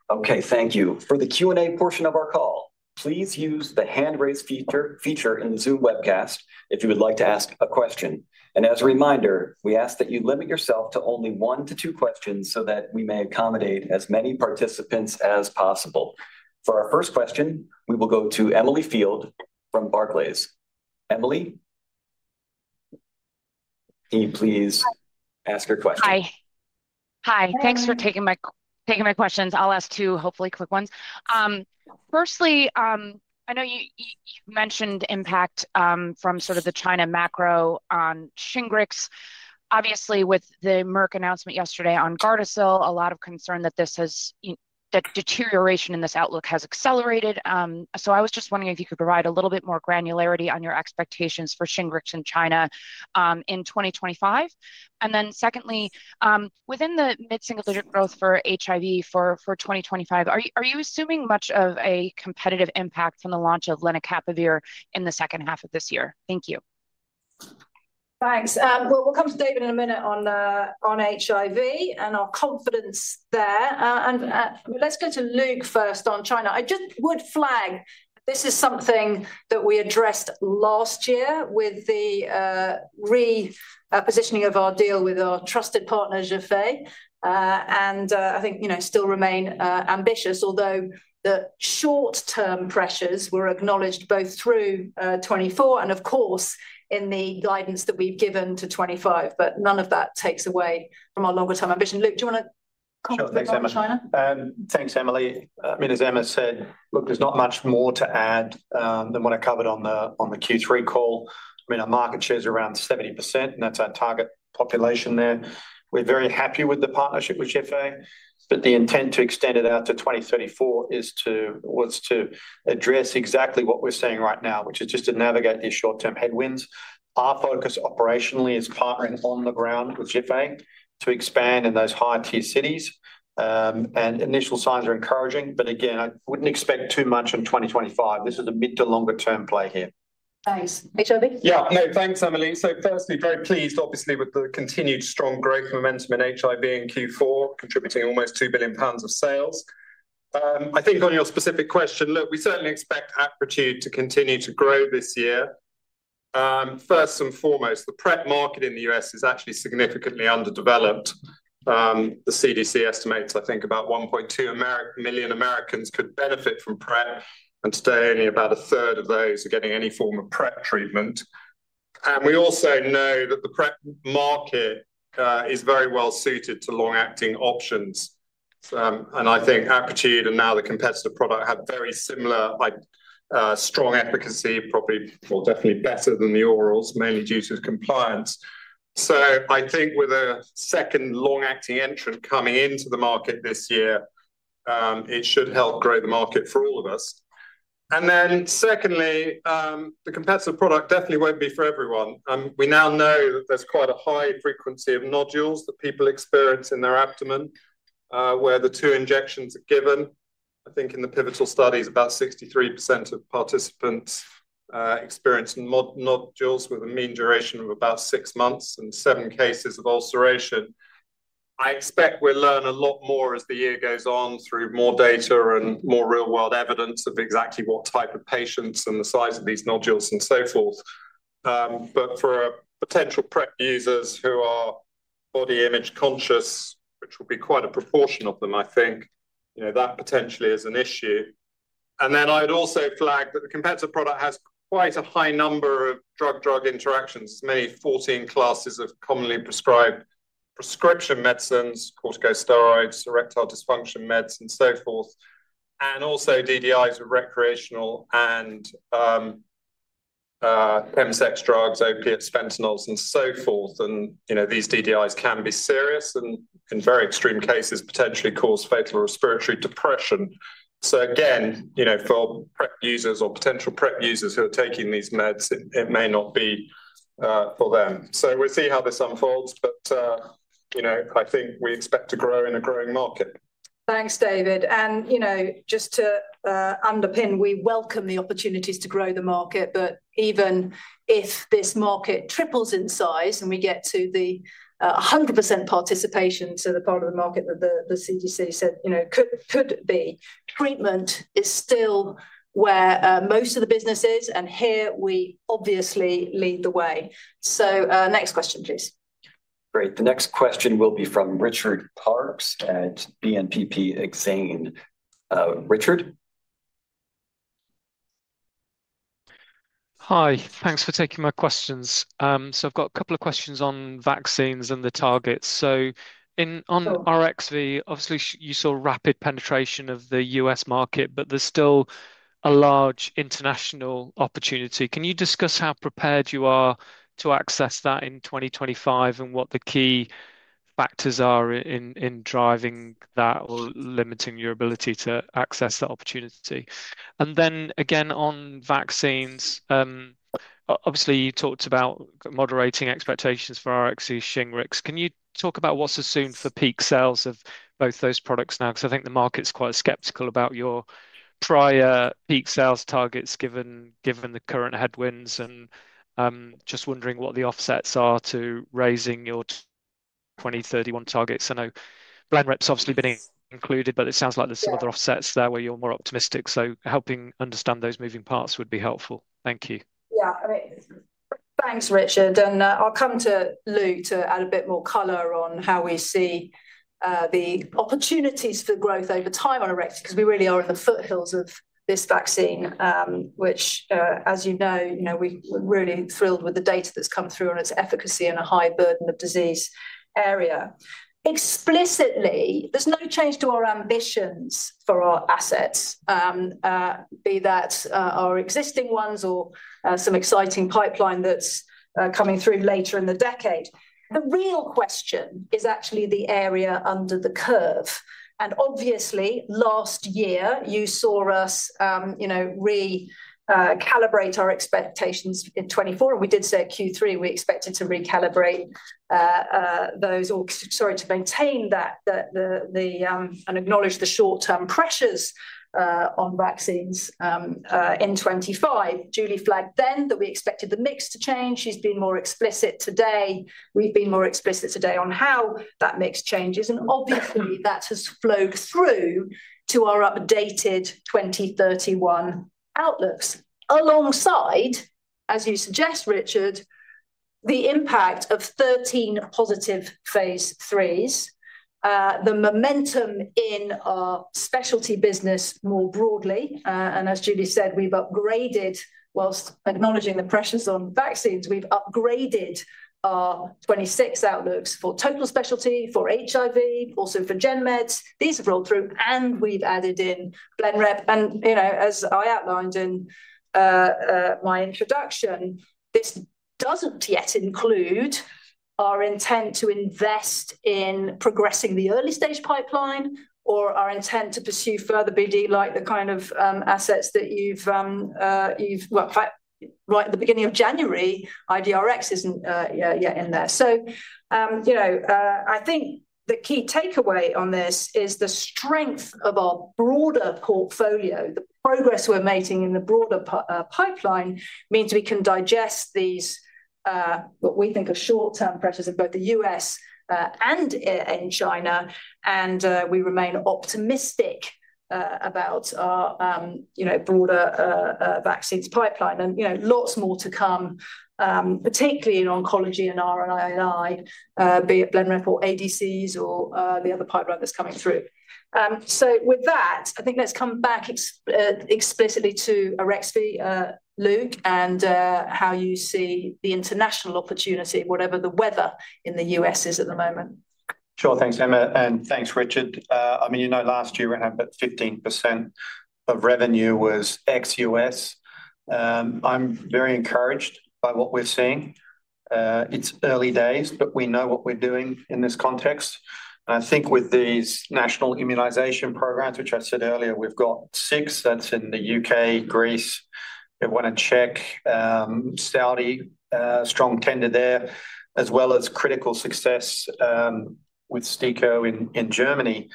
Okay, thank you. For the Q&A portion of our call, please use the hand-raise feature in the Zoom webcast if you would like to ask a question. As a reminder, we ask that you limit yourself to only one to two questions so that we may accommodate as many participants as possible. For our first question, we will go to Emily Field from Barclays. Emily, can you please ask your question? Hi. Hi. Thanks for taking my questions. I'll ask two hopefully quick ones. Firstly, I know you mentioned impact from sort of the China macro on SHINGRIX. Obviously, with the Merck announcement yesterday on Gardasil, a lot of concern that this has that deterioration in this outlook has accelerated. So I was just wondering if you could provide a little bit more granularity on your expectations for SHINGRIX in China in 2025. And then secondly, within the mid-single-digit growth for HIV for 2025, are you assuming much of a competitive impact from the launch of Lenacapavir in the second half of this year? Thank you. Thanks. Well, we'll come to David in a minute on HIV and our confidence there. Let's go to Luke first on China. I just would flag that this is something that we addressed last year with the repositioning of our deal with our trusted partner, Zhifei, and I think, you know, still remain ambitious, although the short-term pressures were acknowledged both through 2024 and, of course, in the guidance that we've given to 2025. None of that takes away from our longer-term ambition. Luke, do you want to comment on China? Sure. Thanks, Emily. I mean, as Emma said, look, there's not much more to add than what I covered on the Q3 call. I mean, our market share is around 70%, and that's our target population there. We're very happy with the partnership with Zhifei, but the intent to extend it out to 2034 was to address exactly what we're seeing right now, which is just to navigate these short-term headwinds. Our focus operationally is partnering on the ground with Zhifei to expand in those high-tier cities, and initial signs are encouraging. But again, I wouldn't expect too much in 2025. This is a mid to longer-term play here. Thanks. HIV? Yeah. No, thanks, Emily. So firstly, very pleased, obviously, with the continued strong growth momentum in HIV in Q4, contributing almost 2 billion pounds of sales. I think on your specific question, look, we certainly expect Apretude to continue to grow this year. First and foremost, the PrEP market in the U.S. is actually significantly underdeveloped. The CDC estimates, I think, about 1.2 million Americans could benefit from PrEP, and today only about a third of those are getting any form of PrEP treatment. And we also know that the PrEP market is very well suited to long-acting options. And I think Apretude and now the competitor product have very similar strong efficacy, probably or definitely better than the orals, mainly due to compliance. So I think with a second long-acting entrant coming into the market this year, it should help grow the market for all of us. And then secondly, the competitor product definitely won't be for everyone. We now know that there's quite a high frequency of nodules that people experience in their abdomen where the two injections are given. I think in the pivotal studies, about 63% of participants experienced nodules with a mean duration of about six months and seven cases of ulceration. I expect we'll learn a lot more as the year goes on through more data and more real-world evidence of exactly what type of patients and the size of these nodules and so forth. But for potential PrEP users who are body image conscious, which will be quite a proportion of them, I think, you know, that potentially is an issue. And then I'd also flag that the competitor product has quite a high number of drug-drug interactions. There's many 14 classes of commonly prescribed prescription medicines, corticosteroids, erectile dysfunction meds, and so forth, and also DDIs of recreational and chemsex drugs, opiates, fentanyls, and so forth. And, you know, these DDIs can be serious and, in very extreme cases, potentially cause fatal respiratory depression. So again, you know, for PrEP users or potential PrEP users who are taking these meds, it may not be for them. So we'll see how this unfolds, but, you know, I think we expect to grow in a growing market. Thanks, David. And, you know, just to underpin, we welcome the opportunities to grow the market, but even if this market triples in size and we get to the 100% participation to the part of the market that the CDC said, you know, could be, treatment is still where most of the business is, and here we obviously lead the way. So next question, please. Great. The next question will be from Richard Parkes at BNPP Exane. Richard? Hi. Thanks for taking my questions. So I've got a couple of questions on vaccines and the targets. So, on AREXVY, obviously, you saw rapid penetration of the U.S. market, but there's still a large international opportunity. Can you discuss how prepared you are to access that in 2025 and what the key factors are in driving that or limiting your ability to access that opportunity? And then again, on vaccines, obviously, you talked about moderating expectations for AREXVY, SHINGRIX. Can you talk about what's assumed for peak sales of both those products now? Because I think the market's quite skeptical about your prior peak sales targets given the current headwinds and just wondering what the offsets are to raising your 2031 targets. I know Blenrep's obviously been included, but it sounds like there's some other offsets there where you're more optimistic. So helping understand those moving parts would be helpful. Thank you. Yeah. I mean, thanks, Richard. I'll come to Luke to add a bit more color on how we see the opportunities for growth over time on AREXVY, because we really are in the foothills of this vaccine, which, as you know, you know, we're really thrilled with the data that's come through on its efficacy in a high burden of disease area. Explicitly, there's no change to our ambitions for our assets, be that our existing ones or some exciting pipeline that's coming through later in the decade. The real question is actually the area under the curve. Obviously, last year, you saw us, you know, recalibrate our expectations in 2024. We did say at Q3 we expected to recalibrate those, or sorry, to maintain that and acknowledge the short-term pressures on vaccines in 2025. Julie flagged then that we expected the mix to change. She's been more explicit today. We've been more explicit today on how that mix changes. Obviously, that has flowed through to our updated 2031 outlooks, alongside, as you suggest, Richard, the impact of 13 positive phase IIIs, the momentum in our specialty business more broadly. As Julie said, we've upgraded, while acknowledging the pressures on vaccines, we've upgraded our 2026 outlooks for total specialty, for HIV, also for GenMeds. These have rolled through, and we've added in Blenrep. You know, as I outlined in my introduction, this doesn't yet include our intent to invest in progressing the early-stage pipeline or our intent to pursue further BD, like the kind of assets that you've, well, in fact, right at the beginning of January, IDRx isn't yet in there. You know, I think the key takeaway on this is the strength of our broader portfolio. The progress we're making in the broader pipeline means we can digest these, what we think of as short-term pressures in both the U.S. and in China, and we remain optimistic about our, you know, broader vaccines pipeline. And, you know, lots more to come, particularly in oncology and RINI, be it Blenrep or ADCs or the other pipeline that's coming through. So with that, I think let's come back explicitly to AREXVY, Luke, and how you see the international opportunity, whatever the weather in the U.S. is at the moment. Sure. Thanks, Emma. And thanks, Richard. I mean, you know, last year we had about 15% of revenue was ex-U.S. I'm very encouraged by what we're seeing. It's early days, but we know what we're doing in this context. And I think with these national immunization programs, which I said earlier, we've got six, that's in the UK, Greece. I want to check Saudi, strong tender there, as well as critical success with STIKO in Germany.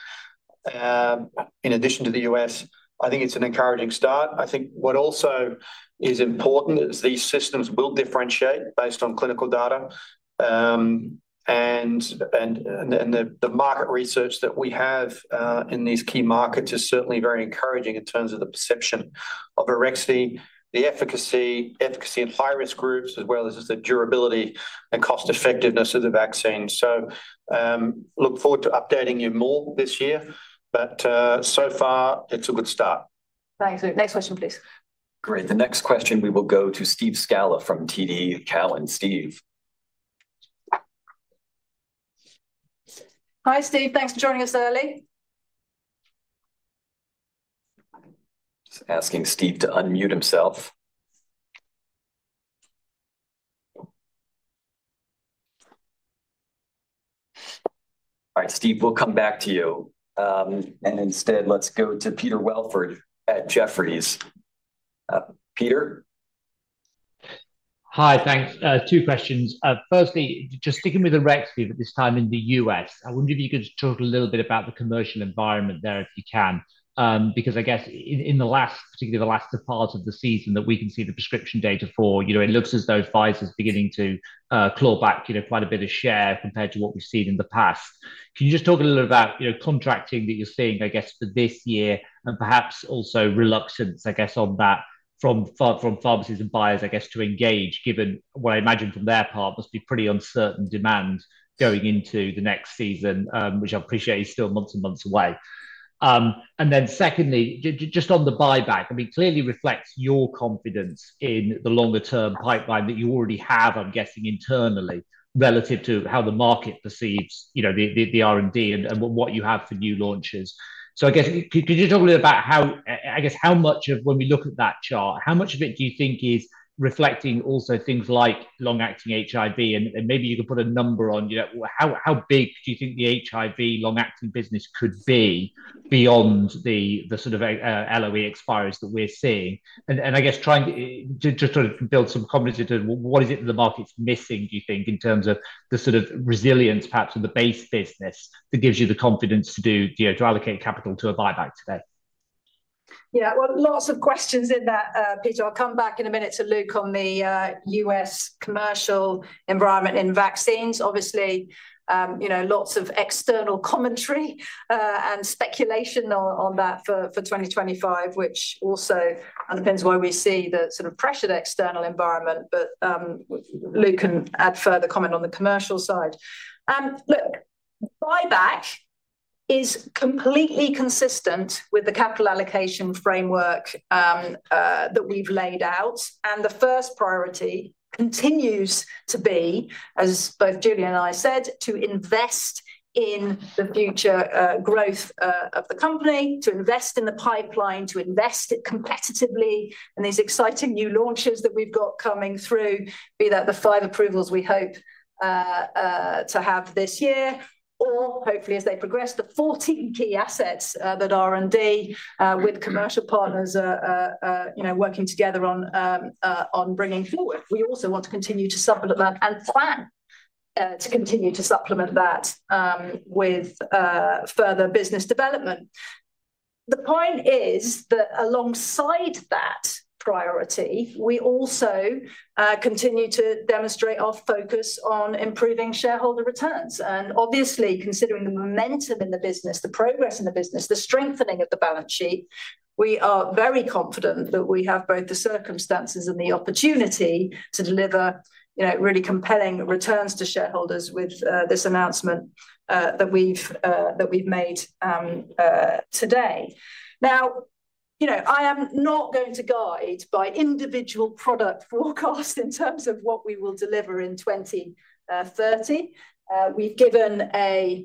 In addition to the US, I think it's an encouraging start. I think what also is important is these systems will differentiate based on clinical data. And the market research that we have in these key markets is certainly very encouraging in terms of the perception of AREXVY, the efficacy in high-risk groups, as well as the durability and cost-effectiveness of the vaccine. So look forward to updating you more this year. But so far, it's a good start. Thanks, Luke. Next question, please. Great. The next question, we will go to Steve Scala from TD Cowen. Steve. Hi, Steve. Thanks for joining us early. Just asking Steve to unmute himself. All right, Steve, we'll come back to you. And instead, let's go to Peter Welford at Jefferies. Peter. Hi. Thanks. Two questions. Firstly, just sticking with AREXVY at this time in the U.S., I wonder if you could talk a little bit about the commercial environment there if you can, because I guess in the last, particularly the last two parts of the season that we can see the prescription data for, you know, it looks as though Pfizer is beginning to claw back, you know, quite a bit of share compared to what we've seen in the past. Can you just talk a little about, you know, contracting that you're seeing, I guess, for this year and perhaps also reluctance, I guess, on that from pharmacies and buyers, I guess, to engage, given what I imagine from their part must be pretty uncertain demand going into the next season, which I appreciate you're still months and months away. And then secondly, just on the buyback, I mean, clearly reflects your confidence in the longer-term pipeline that you already have, I'm guessing, internally relative to how the market perceives, you know, the R&D and what you have for new launches. So I guess, could you talk a little about how, I guess, how much of when we look at that chart, how much of it do you think is reflecting also things like long-acting HIV? And maybe you could put a number on, you know, how big do you think the HIV long-acting business could be beyond the sort of LOE expires that we're seeing? And I guess trying to just sort of build some commentary to what is it that the market's missing, do you think, in terms of the sort of resilience, perhaps, of the base business that gives you the confidence to do, you know, to allocate capital to a buyback today? Yeah. Well, lots of questions in that, Peter. I'll come back in a minute to Luke on the U.S. commercial environment in vaccines. Obviously, you know, lots of external commentary and speculation on that for 2025, which also underpins why we see the sort of pressured external environment. But Luke can add further comment on the commercial side. Look, buyback is completely consistent with the capital allocation framework that we've laid out. And the first priority continues to be, as both Julie and I said, to invest in the future growth of the company, to invest in the pipeline, to invest competitively in these exciting new launches that we've got coming through, be that the five approvals we hope to have this year, or hopefully as they progress, the 14 key assets that R&D with commercial partners, you know, working together on bringing forward. We also want to continue to supplement and plan to continue to supplement that with further business development. The point is that alongside that priority, we also continue to demonstrate our focus on improving shareholder returns. Obviously, considering the momentum in the business, the progress in the business, the strengthening of the balance sheet, we are very confident that we have both the circumstances and the opportunity to deliver, you know, really compelling returns to shareholders with this announcement that we've made today. Now, you know, I am not going to guide by individual product forecasts in terms of what we will deliver in 2030. We've given, I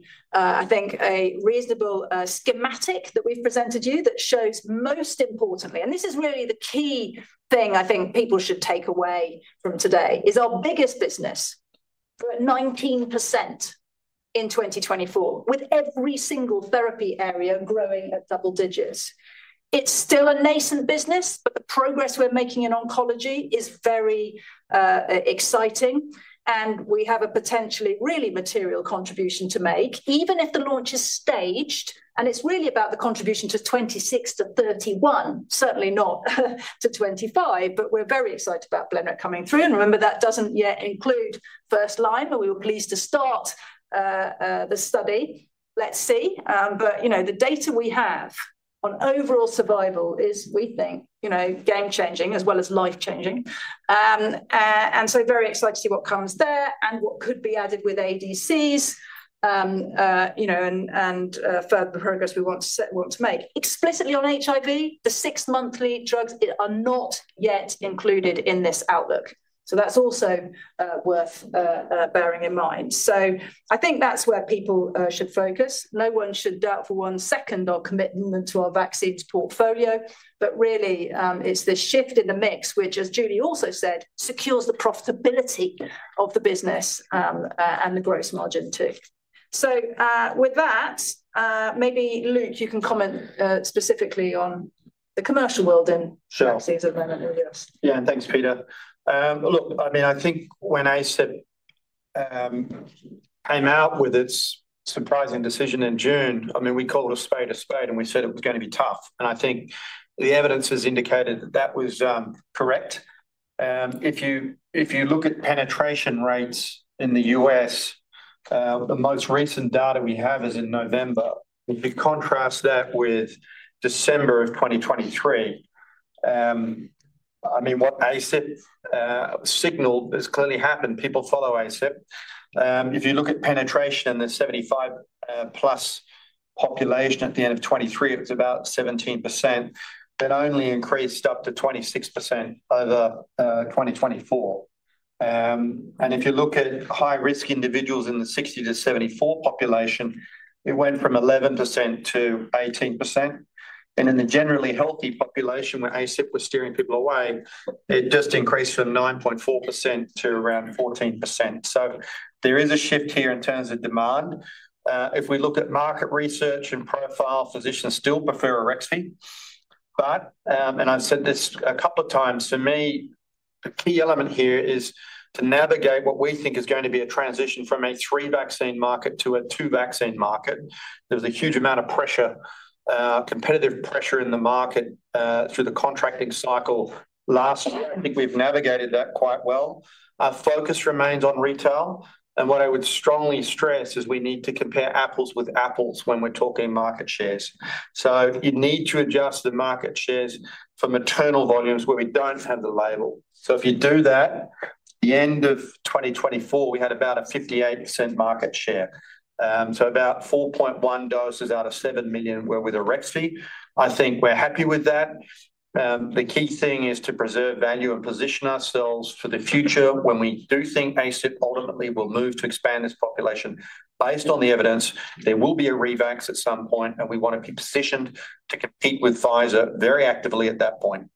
think, a reasonable schematic that we've presented to you that shows most importantly, and this is really the key thing I think people should take away from today, is our biggest business grew 19% in 2024, with every single therapy area growing at double digits. It's still a nascent business, but the progress we're making in oncology is very exciting, and we have a potentially really material contribution to make, even if the launch is staged. It's really about the contribution to 2026-2031, certainly not to 2025, but we're very excited about Blenrep coming through. Remember, that doesn't yet include first line, but we were pleased to start the study. Let's see. You know, the data we have on overall survival is, we think, you know, game-changing as well as life-changing. Very excited to see what comes there and what could be added with ADCs, you know, and further progress we want to make. Explicitly on HIV, the six-monthly drugs are not yet included in this outlook. That's also worth bearing in mind. I think that's where people should focus. No one should doubt for one second our commitment to our vaccines portfolio, but really it's the shift in the mix, which, as Julie also said, secures the profitability of the business and the gross margin too. So with that, maybe Luke, you can comment specifically on the commercial world in vaccines at the moment in the US. Yeah. And thanks, Peter. Look, I mean, I think when ACIP came out with its surprising decision in June, I mean, we called a spade a spade, and we said it was going to be tough. And I think the evidence has indicated that that was correct. If you look at penetration rates in the US, the most recent data we have is in November. If you contrast that with December of 2023, I mean, what ACIP signaled has clearly happened. People follow ACIP. If you look at penetration, the 75-plus population at the end of 2023, it was about 17%. It only increased up to 26% over 2024. And if you look at high-risk individuals in the 60-74 population, it went from 11%-18%. In the generally healthy population, when ACIP was steering people away, it just increased from 9.4% to around 14%, so there is a shift here in terms of demand. If we look at market research and profile, physicians still prefer AREXVY. But, and I've said this a couple of times, for me, the key element here is to navigate what we think is going to be a transition from a three-vaccine market to a two-vaccine market. There was a huge amount of pressure, competitive pressure in the market through the contracting cycle last year. I think we've navigated that quite well. Our focus remains on retail. And what I would strongly stress is we need to compare apples with apples when we're talking market shares, so you need to adjust the market shares for maternal volumes where we don't have the label. So if you do that, the end of 2024, we had about a 58% market share. So about 4.1 doses out of 7 million were with RXV. I think we're happy with that. The key thing is to preserve value and position ourselves for the future when we do think ACIP ultimately will move to expand this population. Based on the evidence, there will be a revax at some point, and we want to be positioned to compete with Pfizer very actively at that point.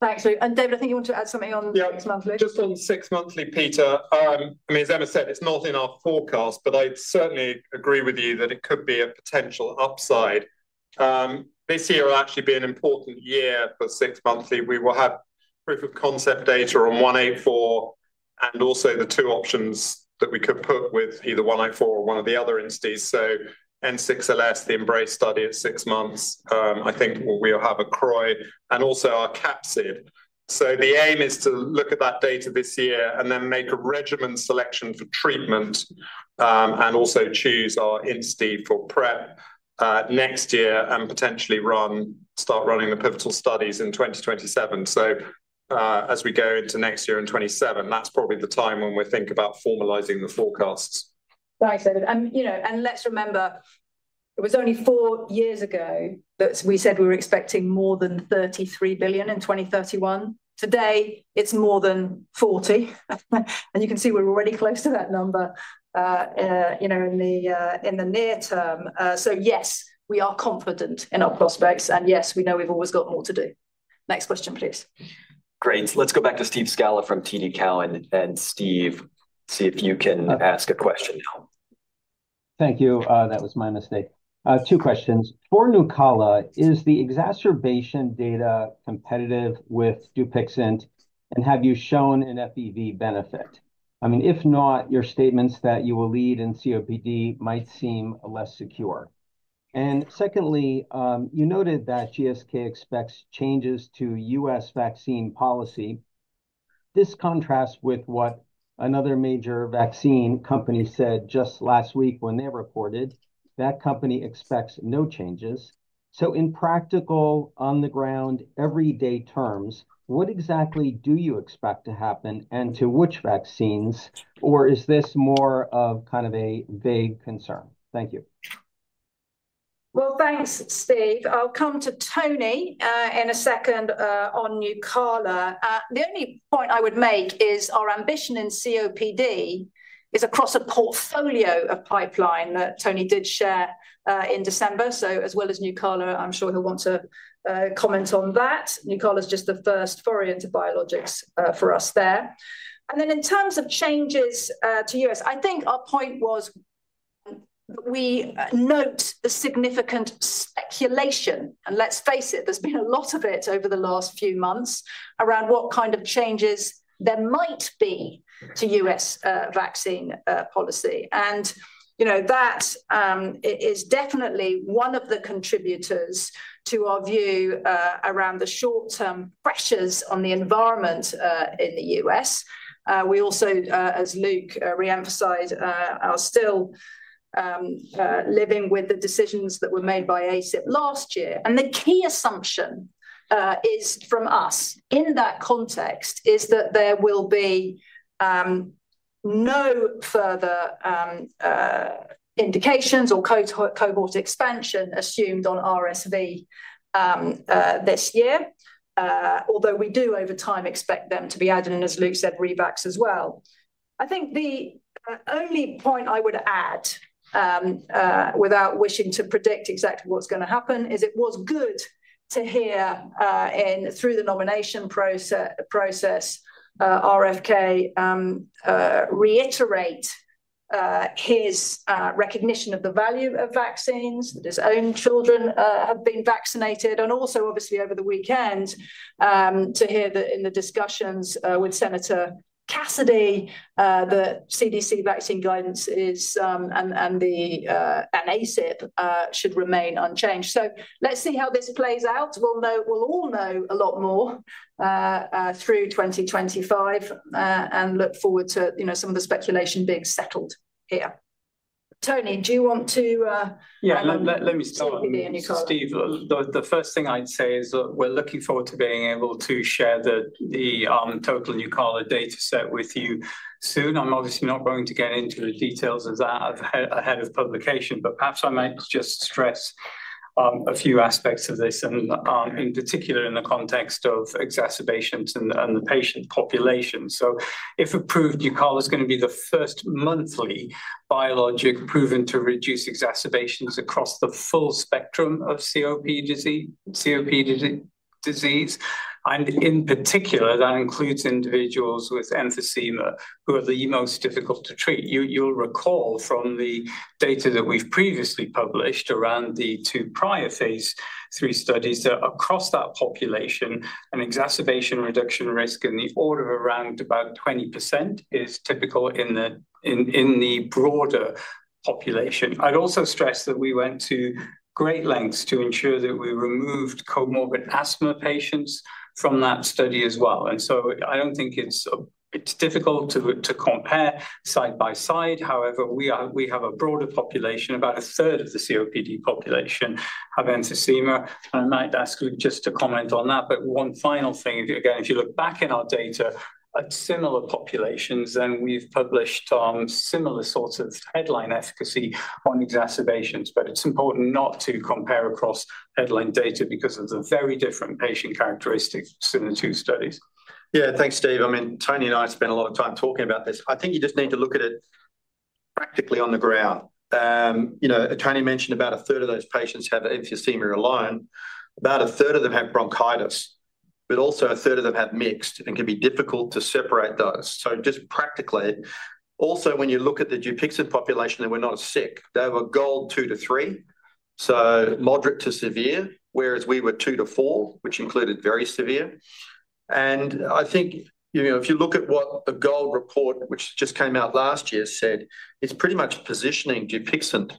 Thanks, Luke. And David, I think you want to add something on six-monthly? Just on six-monthly, Peter. I mean, as Emma said, it's not in our forecast, but I'd certainly agree with you that it could be a potential upside. This year will actually be an important year for six-monthly. We will have proof of concept data on 184 and also the two options that we could put with either 184 or one of the other entities. N6LS, the EMBRACE study at six months, I think we'll have a CROI, and also our capsid. The aim is to look at that data this year and then make a regimen selection for treatment and also choose our entity for PrEP next year and potentially start running the pivotal studies in 2027. As we go into next year in 2027, that's probably the time when we think about formalizing the forecasts. Thanks, David. You know, and let's remember, it was only four years ago that we said we were expecting more than 33 billion in 2031. Today, it's more than 40 billion. You can see we're already close to that number, you know, in the near term. So yes, we are confident in our prospects. And yes, we know we've always got more to do. Next question, please. Great. Let's go back to Steve Scala from TD Cowen and Steve, see if you can ask a question now. Thank you. That was my mistake. Two questions. For Nucala, is the exacerbation data competitive with Dupixent? And have you shown an FEV benefit? I mean, if not, your statements that you will lead in COPD might seem less secure. And secondly, you noted that GSK expects changes to U.S. vaccine policy. This contrasts with what another major vaccine company said just last week when they reported that company expects no changes. So in practical, on-the-ground, everyday terms, what exactly do you expect to happen and to which vaccines, or is this more of kind of a vague concern? Thank you. Well, thanks, Steve. I'll come to Tony in a second on Nucala. The only point I would make is our ambition in COPD is across a portfolio of pipeline that Tony did share in December. So as well as Nucala, I'm sure he'll want to comment on that. Nucala is just the first foray into biologics for us there. And then in terms of changes to U.S., I think our point was that we note the significant speculation. And let's face it, there's been a lot of it over the last few months around what kind of changes there might be to U.S. vaccine policy. And you know, that is definitely one of the contributors to our view around the short-term pressures on the environment in the U.S. We also, as Luke re-emphasized, are still living with the decisions that were made by ACIP last year. The key assumption is from us in that context is that there will be no further indications or cohort expansion assumed on RSV this year, although we do over time expect them to be added, and as Luke said, revax as well. I think the only point I would add without wishing to predict exactly what's going to happen is it was good to hear him through the nomination process, RFK reiterate his recognition of the value of vaccines, that his own children have been vaccinated. And also, obviously, over the weekend, to hear that in the discussions with Senator Cassidy, the CDC vaccine guidance is and ACIP should remain unchanged. So let's see how this plays out. We'll all know a lot more through 2025 and look forward to, you know, some of the speculation being settled here. Tony, do you want to? Yeah, let me start with you, Steve. The first thing I'd say is that we're looking forward to being able to share the total Nucala data set with you soon. I'm obviously not going to get into the details of that ahead of publication, but perhaps I might just stress a few aspects of this, and in particular in the context of exacerbations and the patient population. So if approved, Nucala is going to be the first monthly biologic proven to reduce exacerbations across the full spectrum of COPD disease. And in particular, that includes individuals with emphysema who are the most difficult to treat. You'll recall from the data that we've previously published around the two prior phase III studies that across that population, an exacerbation reduction risk in the order of around about 20% is typical in the broader population. I'd also stress that we went to great lengths to ensure that we removed comorbid asthma patients from that study as well. And so I don't think it's difficult to compare side by side. However, we have a broader population. About a third of the COPD population have emphysema. And I might ask Luke just to comment on that. But one final thing, again, if you look back in our data at similar populations, then we've published similar sorts of headline efficacy on exacerbations. But it's important not to compare across headline data because of the very different patient characteristics in the two studies. Yeah, thanks, Dave. I mean, Tony and I have spent a lot of time talking about this. I think you just need to look at it practically on the ground. You know, Tony mentioned about a third of those patients have emphysema alone. About a third of them have bronchitis, but also a third of them have mixed and can be difficult to separate those. So just practically, also when you look at the Dupixent population, they were not sick. They were GOLD 2-3, so moderate to severe, whereas we were -4, which included very severe. And I think, you know, if you look at what the GOLD report, which just came out last year, said, it's pretty much positioning Dupixent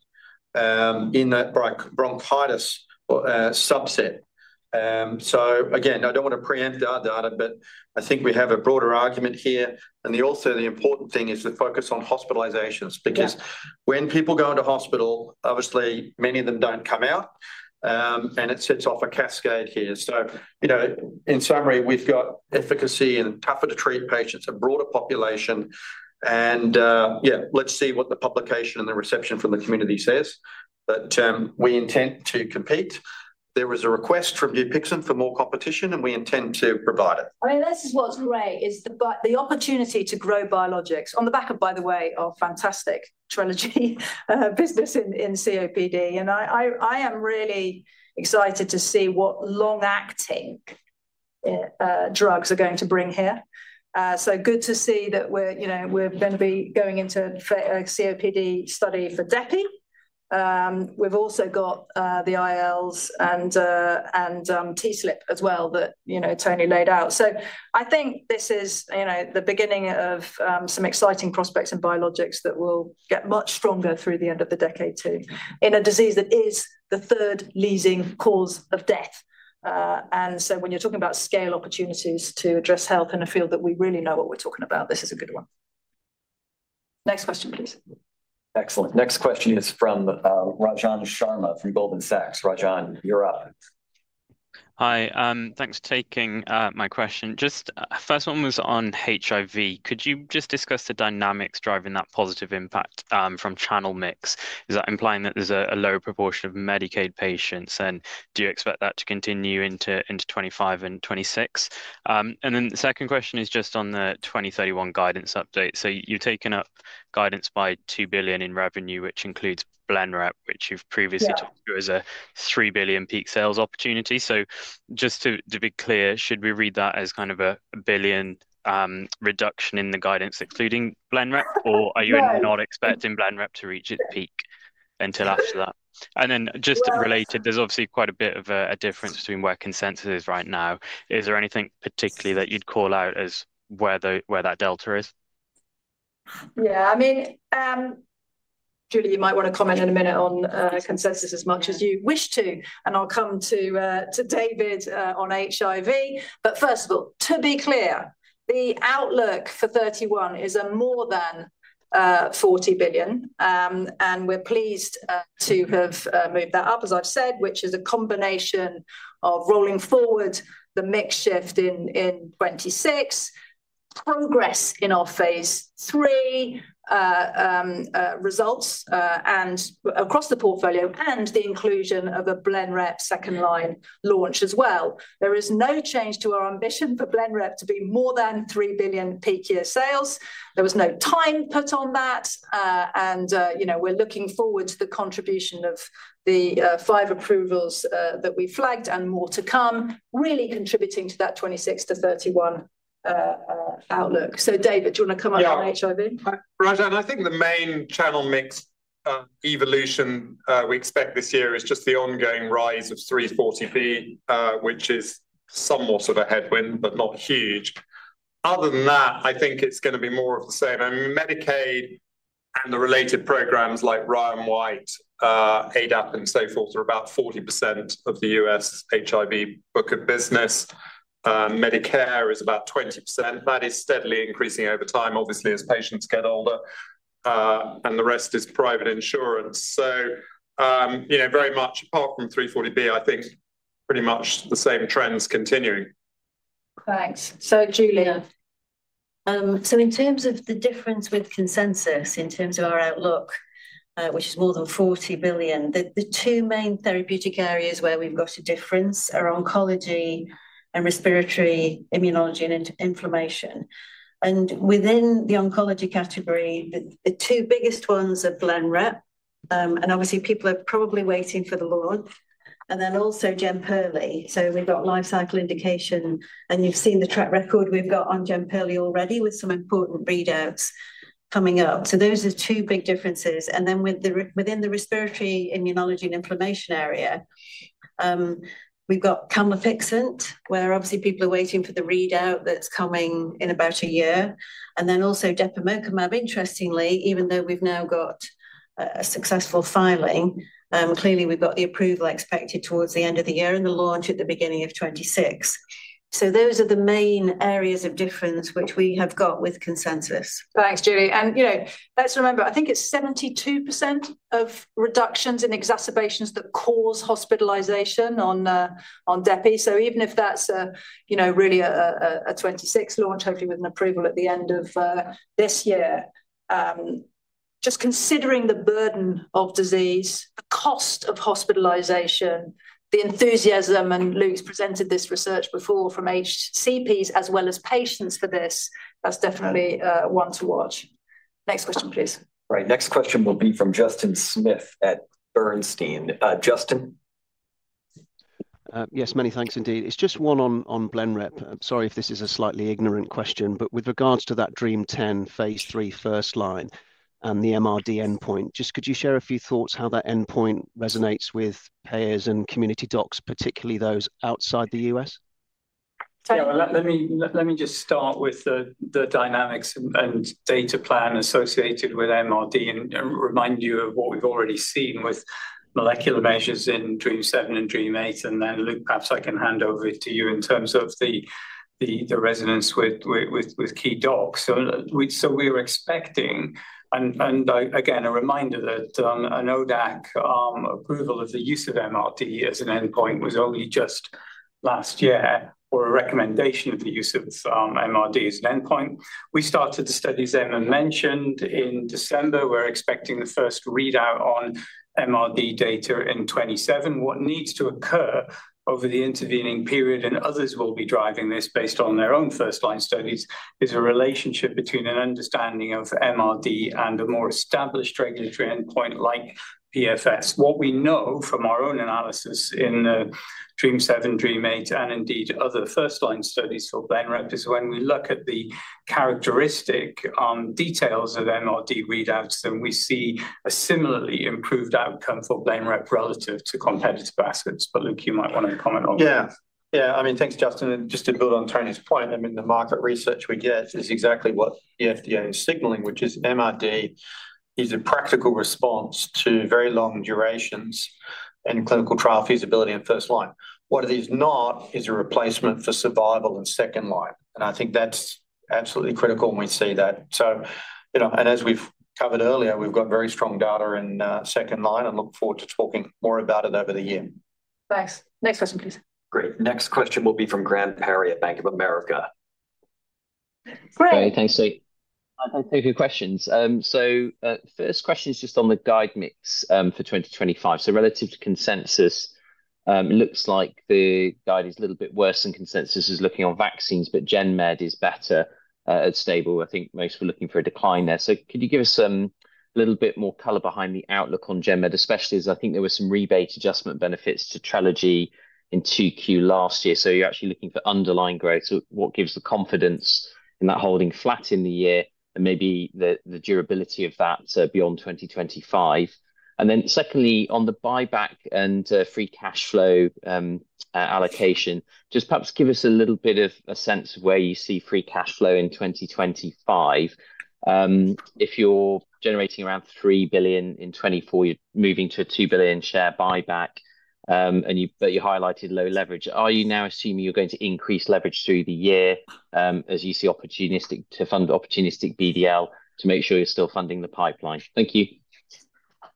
in that bronchitis subset. So again, I don't want to preempt our data, but I think we have a broader argument here. And also the important thing is the focus on hospitalizations because when people go into hospital, obviously many of them don't come out, and it sets off a cascade here. So, you know, in summary, we've got efficacy and tougher to treat patients, a broader population. Yeah, let's see what the publication and the reception from the community says. But we intend to compete. There was a request from Dupixent for more competition, and we intend to provide it. I mean, this is what's great, is the opportunity to grow biologics on the back of, by the way, our fantastic Trelegy business in COPD. And I am really excited to see what long-acting drugs are going to bring here. Good to see that we're, you know, we're going to be going into a COPD study for Depemokimab. We've also got the ILs and TSLP as well that, you know, Tony laid out. I think this is, you know, the beginning of some exciting prospects in biologics that will get much stronger through the end of the decade too, in a disease that is the third leading cause of death. When you're talking about scale opportunities to address health in a field that we really know what we're talking about, this is a good one. Next question, please. Excellent. Next question is from Rajan Sharma from Goldman Sachs. Rajan, you're up. Hi. Thanks for taking my question. Just first one was on HIV. Could you just discuss the dynamics driving that positive impact from channel mix? Is that implying that there's a lower proportion of Medicaid patients? And do you expect that to continue into 2025 and 2026? And then the second question is just on the 2031 guidance update. So you've taken up guidance by 2 billion in revenue, which includes Blenrep, which you've previously talked about as a 3 billion peak sales opportunity. So just to be clear, should we read that as kind of a billion reduction in the guidance, including Blenrep, or are you not expecting Blenrep to reach its peak until after that? And then just related, there's obviously quite a bit of a difference between where consensus is right now. Is there anything particularly that you'd call out as where that delta is? Yeah, I mean, Julie, you might want to comment in a minute on consensus as much as you wish to. And I'll come to David on HIV. But first of all, to be clear, the outlook for 2031 is more than 40 billion. We're pleased to have moved that up, as I've said, which is a combination of rolling forward the mix shift in 2026, progress in our phase III results and across the portfolio and the inclusion of a Blenrep second line launch as well. There is no change to our ambition for Blenrep to be more than 3 billion peak year sales. There was no time put on that. You know, we're looking forward to the contribution of the five approvals that we flagged and more to come, really contributing to that 2026-2031 outlook. David, do you want to come up on HIV? Rajan, I think the main channel mix evolution we expect this year is just the ongoing rise of 340B, which is somewhat of a headwind, but not huge. Other than that, I think it's going to be more of the same. I mean, Medicaid and the related programs like Ryan White ADAP and so forth are about 40% of the U.S. HIV book of business. Medicare is about 20%. That is steadily increasing over time, obviously, as patients get older. And the rest is private insurance. So, you know, very much apart from 340B, I think pretty much the same trends continuing. Thanks. So, Julie, so in terms of the difference with consensus, in terms of our outlook, which is more than 40 billion, the two main therapeutic areas where we've got a difference are oncology and respiratory immunology and inflammation. And within the oncology category, the two biggest ones are Blenrep. And obviously, people are probably waiting for the launch. And then also Jemperli. So we've got life cycle indication. And you've seen the track record we've got on Jemperli already with some important readouts coming up. So those are two big differences. And then within the respiratory immunology and inflammation area, we've got Camlipixant, where obviously people are waiting for the readout that's coming in about a year. And then also Depemokimab, interestingly, even though we've now got a successful filing, clearly we've got the approval expected towards the end of the year and the launch at the beginning of 2026. So those are the main areas of difference which we have got with consensus. Thanks, Julie. And, you know, let's remember, I think it's 72% of reductions in exacerbations that cause hospitalization on Depi. So even if that's, you know, really a 2026 launch, hopefully with an approval at the end of this year, just considering the burden of disease, the cost of hospitalization, the enthusiasm, and Luke's presented this research before from HCPs as well as patients for this, that's definitely one to watch. Next question, please. All right. Next question will be from Justin Smith at Bernstein. Justin. Yes, many thanks indeed. It's just one on Blenrep. I'm sorry if this is a slightly ignorant question, but with regards to that DREAMM-10 phase III first line and the MRD endpoint, just could you share a few thoughts how that endpoint resonates with payers and community docs, particularly those outside the US? Yeah, let me just start with the dynamics and data plan associated with MRD and remind you of what we've already seen with molecular measures in DREAMM-7 and DREAMM-8. And then, Luke, perhaps I can hand over to you in terms of the resonance with key docs. We're expecting, and again, a reminder that an ODAC approval of the use of MRD as an endpoint was only just last year or a recommendation of the use of MRD as an endpoint. We started the studies Emma mentioned in December. We're expecting the first readout on MRD data in 2027. What needs to occur over the intervening period, and others will be driving this based on their own first line studies, is a relationship between an understanding of MRD and a more established regulatory endpoint like PFS. What we know from our own analysis in DREAMM-7, DREAMM-8, and indeed other first line studies for Blenrep is when we look at the characteristic details of MRD readouts, then we see a similarly improved outcome for Blenrep relative to competitive assets. But Luke, you might want to comment on that. Yeah, yeah. I mean, thanks, Justin. And just to build on Tony's point, I mean, the market research we get is exactly what the FDA is signaling, which is MRD is a practical response to very long durations and clinical trial feasibility in first line. What it is not is a replacement for survival in second line. And I think that's absolutely critical when we see that. So, you know, and as we've covered earlier, we've got very strong data in second line and look forward to talking more about it over the year. Thanks. Next question, please. Great. Next question will be from Graham Parry at Bank of America. Great. Thanks, Steve. Thank you for your questions. So first question is just on the guide mix for 2025. So relative to consensus, it looks like the guide is a little bit worse than consensus is looking on vaccines, but GenMed is better at stable. I think most were looking for a decline there. So could you give us a little bit more color behind the outlook on GenMed, especially as I think there were some rebate adjustment benefits to Trelegy in Q2 last year? So you're actually looking for underlying growth. So what gives the confidence in that holding flat in the year and maybe the durability of that beyond 2025? And then secondly, on the buyback and free cash flow allocation, just perhaps give us a little bit of a sense of where you see free cash flow in 2025. If you're generating around 3 billion in 2024, you're moving to a 2 billion share buyback, but you highlighted low leverage. Are you now assuming you're going to increase leverage through the year as you see to fund opportunistic BDL to make sure you're still funding the pipeline? Thank you.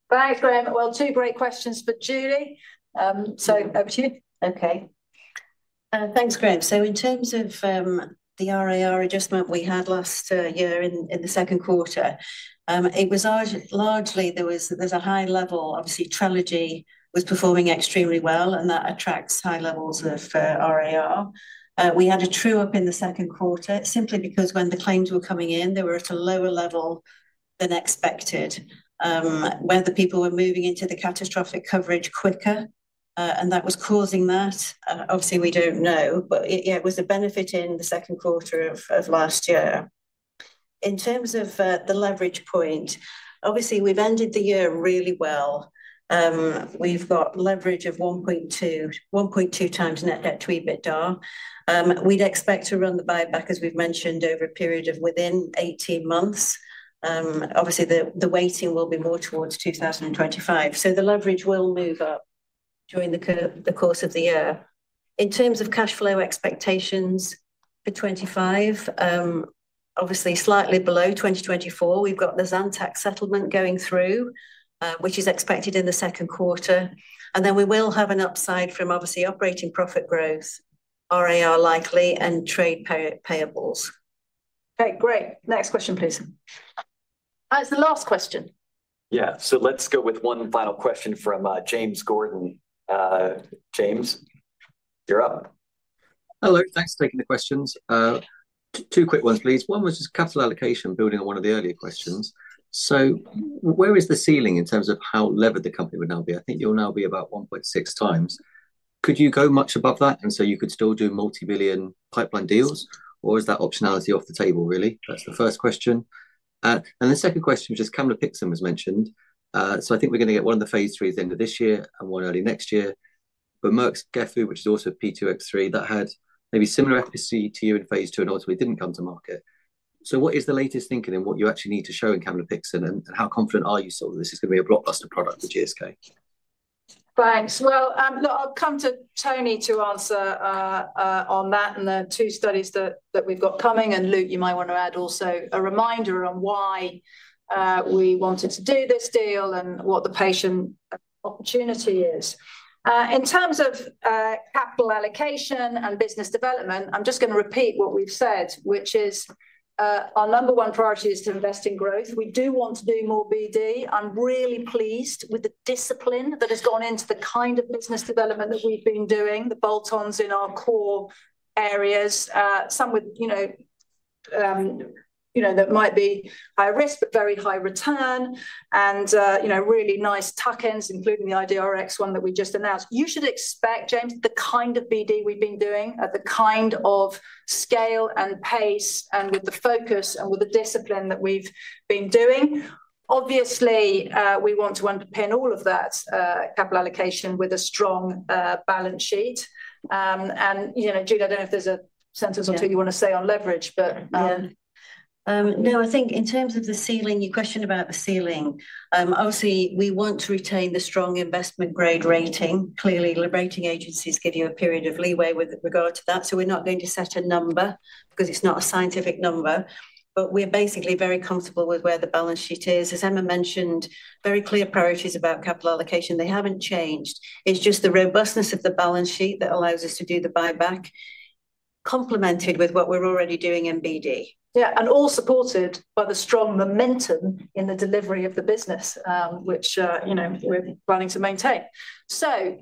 Thanks, Graham. Two great questions for Julie. Over to you. Okay. Thanks, Graham. In terms of the RAR adjustment we had last year in the second quarter, it was largely. There was a high level, obviously Trelegy was performing extremely well, and that attracts high levels of RAR. We had a true-up in the second quarter simply because when the claims were coming in, they were at a lower level than expected where the people were moving into the catastrophic coverage quicker, and that was causing that. Obviously, we don't know, but yeah, it was a benefit in the second quarter of last year. In terms of the leverage point, obviously we've ended the year really well. We've got leverage of 1.2 times net debt to EBITDA. We'd expect to run the buyback, as we've mentioned, over a period of within 18 months. Obviously, the weighting will be more towards 2025. So the leverage will move up during the course of the year. In terms of cash flow expectations for 2025, obviously slightly below 2024, we've got the Zantac settlement going through, which is expected in the second quarter. And then we will have an upside from obviously operating profit growth, RAR likely, and trade payables. Okay, great. Next question, please. That's the last question. Yeah, so let's go with one final question from James Gordon. James, you're up. Hello. Thanks for taking the questions. Two quick ones, please. One was just capital allocation building on one of the earlier questions. So where is the ceiling in terms of how levered the company would now be? I think you'll now be about 1.6 times. Could you go much above that? And so you could still do multi-billion pipeline deals, or is that optionality off the table, really? That's the first question. And the second question was just Camlipixant was mentioned. So I think we're going to get one of the phase IIIs at the end of this year and one early next year. But Merck's Gefapixant, which is also P2X3, that had maybe similar efficacy to you in phase II and ultimately didn't come to market. So what is the latest thinking and what you actually need to show in Camlipixant and how confident are you sort of this is going to be a blockbuster product for GSK? Thanks. Well, I'll come to Tony to answer on that and the two studies that we've got coming. Luke, you might want to add also a reminder on why we wanted to do this deal and what the patient opportunity is. In terms of capital allocation and business development, I'm just going to repeat what we've said, which is our number one priority is to invest in growth. We do want to do more BD. I'm really pleased with the discipline that has gone into the kind of business development that we've been doing, the bolt-ons in our core areas, some with, you know, that might be high risk, but very high return and, you know, really nice tuck-ins, including the IDRx one that we just announced. You should expect, James, the kind of BD we've been doing at the kind of scale and pace and with the focus and with the discipline that we've been doing. Obviously, we want to underpin all of that capital allocation with a strong balance sheet. And, you know, Julie, I don't know if there's a sentence or two you want to say on leverage, but. Yeah. No, I think in terms of the ceiling, you questioned about the ceiling. Obviously, we want to retain the strong investment grade rating. Clearly, the rating agencies give you a period of leeway with regard to that. So we're not going to set a number because it's not a scientific number. But we're basically very comfortable with where the balance sheet is. As Emma mentioned, very clear priorities about capital allocation. They haven't changed. It's just the robustness of the balance sheet that allows us to do the buyback, complemented with what we're already doing in BD. Yeah, and all supported by the strong momentum in the delivery of the business, which, you know, we're planning to maintain. So.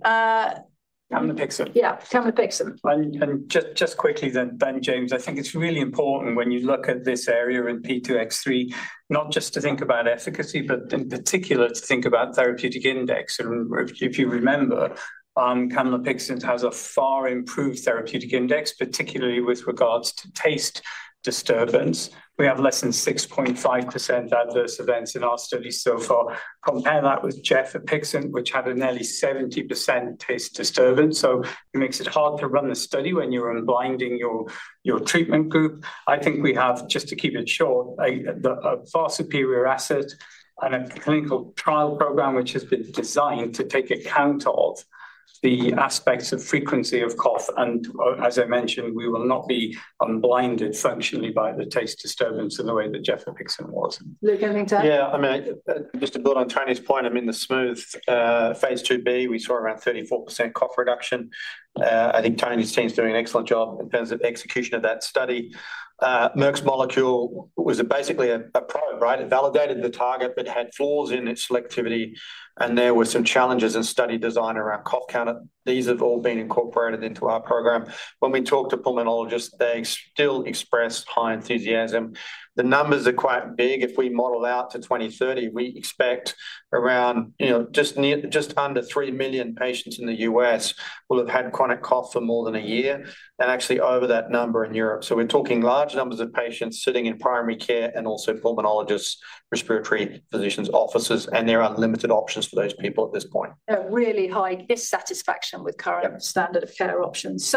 Camlipixant. Yeah, Camlipixant. And just quickly then, James, I think it's really important when you look at this area in P2X3, not just to think about efficacy, but in particular to think about therapeutic index. And if you remember, Camlipixant has a far improved therapeutic index, particularly with regards to taste disturbance. We have less than 6.5% adverse events in our studies so far. Compare that with Gefapixant, which had a nearly 70% taste disturbance. So it makes it hard to run the study when you're blinding your treatment group. I think we have, just to keep it short, a far superior asset and a clinical trial program which has been designed to take account of the aspects of frequency of cough. As I mentioned, we will not be blinded functionally by the taste disturbance in the way that Gefapixant was. Luke, anything to add? Yeah, I mean, just to build on Tony's point, I mean, our phase II-B, we saw around 34% cough reduction. I think Tony's team's doing an excellent job in terms of execution of that study. Merck's molecule was basically a probe, right? It validated the target, but it had flaws in its selectivity. There were some challenges in study design around cough count. These have all been incorporated into our program. When we talk to pulmonologists, they still express high enthusiasm. The numbers are quite big. If we model out to 2030, we expect around, you know, just under 3 million patients in the U.S. will have had chronic cough for more than a year and actually over that number in Europe. We're talking large numbers of patients sitting in primary care and also pulmonologists, respiratory physicians, officers, and there are limited options for those people at this point. With a really high dissatisfaction with current standard of care options.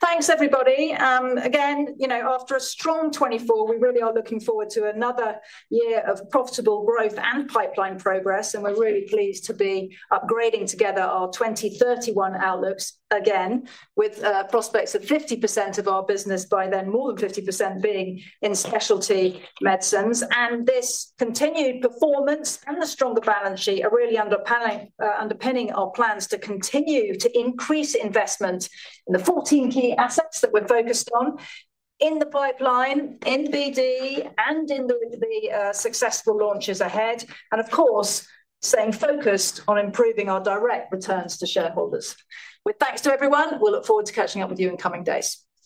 Thanks, everybody. Again, you know, after a strong 2024, we really are looking forward to another year of profitable growth and pipeline progress. We're really pleased to be upgrading our 2031 outlooks again with prospects of 50% of our business by then, more than 50% being in specialty medicines. This continued performance and the stronger balance sheet are really underpinning our plans to continue to increase investment in the 14 key assets that we're focused on in the pipeline, in BD, and in the successful launches ahead. Of course, staying focused on improving our direct returns to shareholders. With thanks to everyone, we'll look forward to catching up with you in coming days.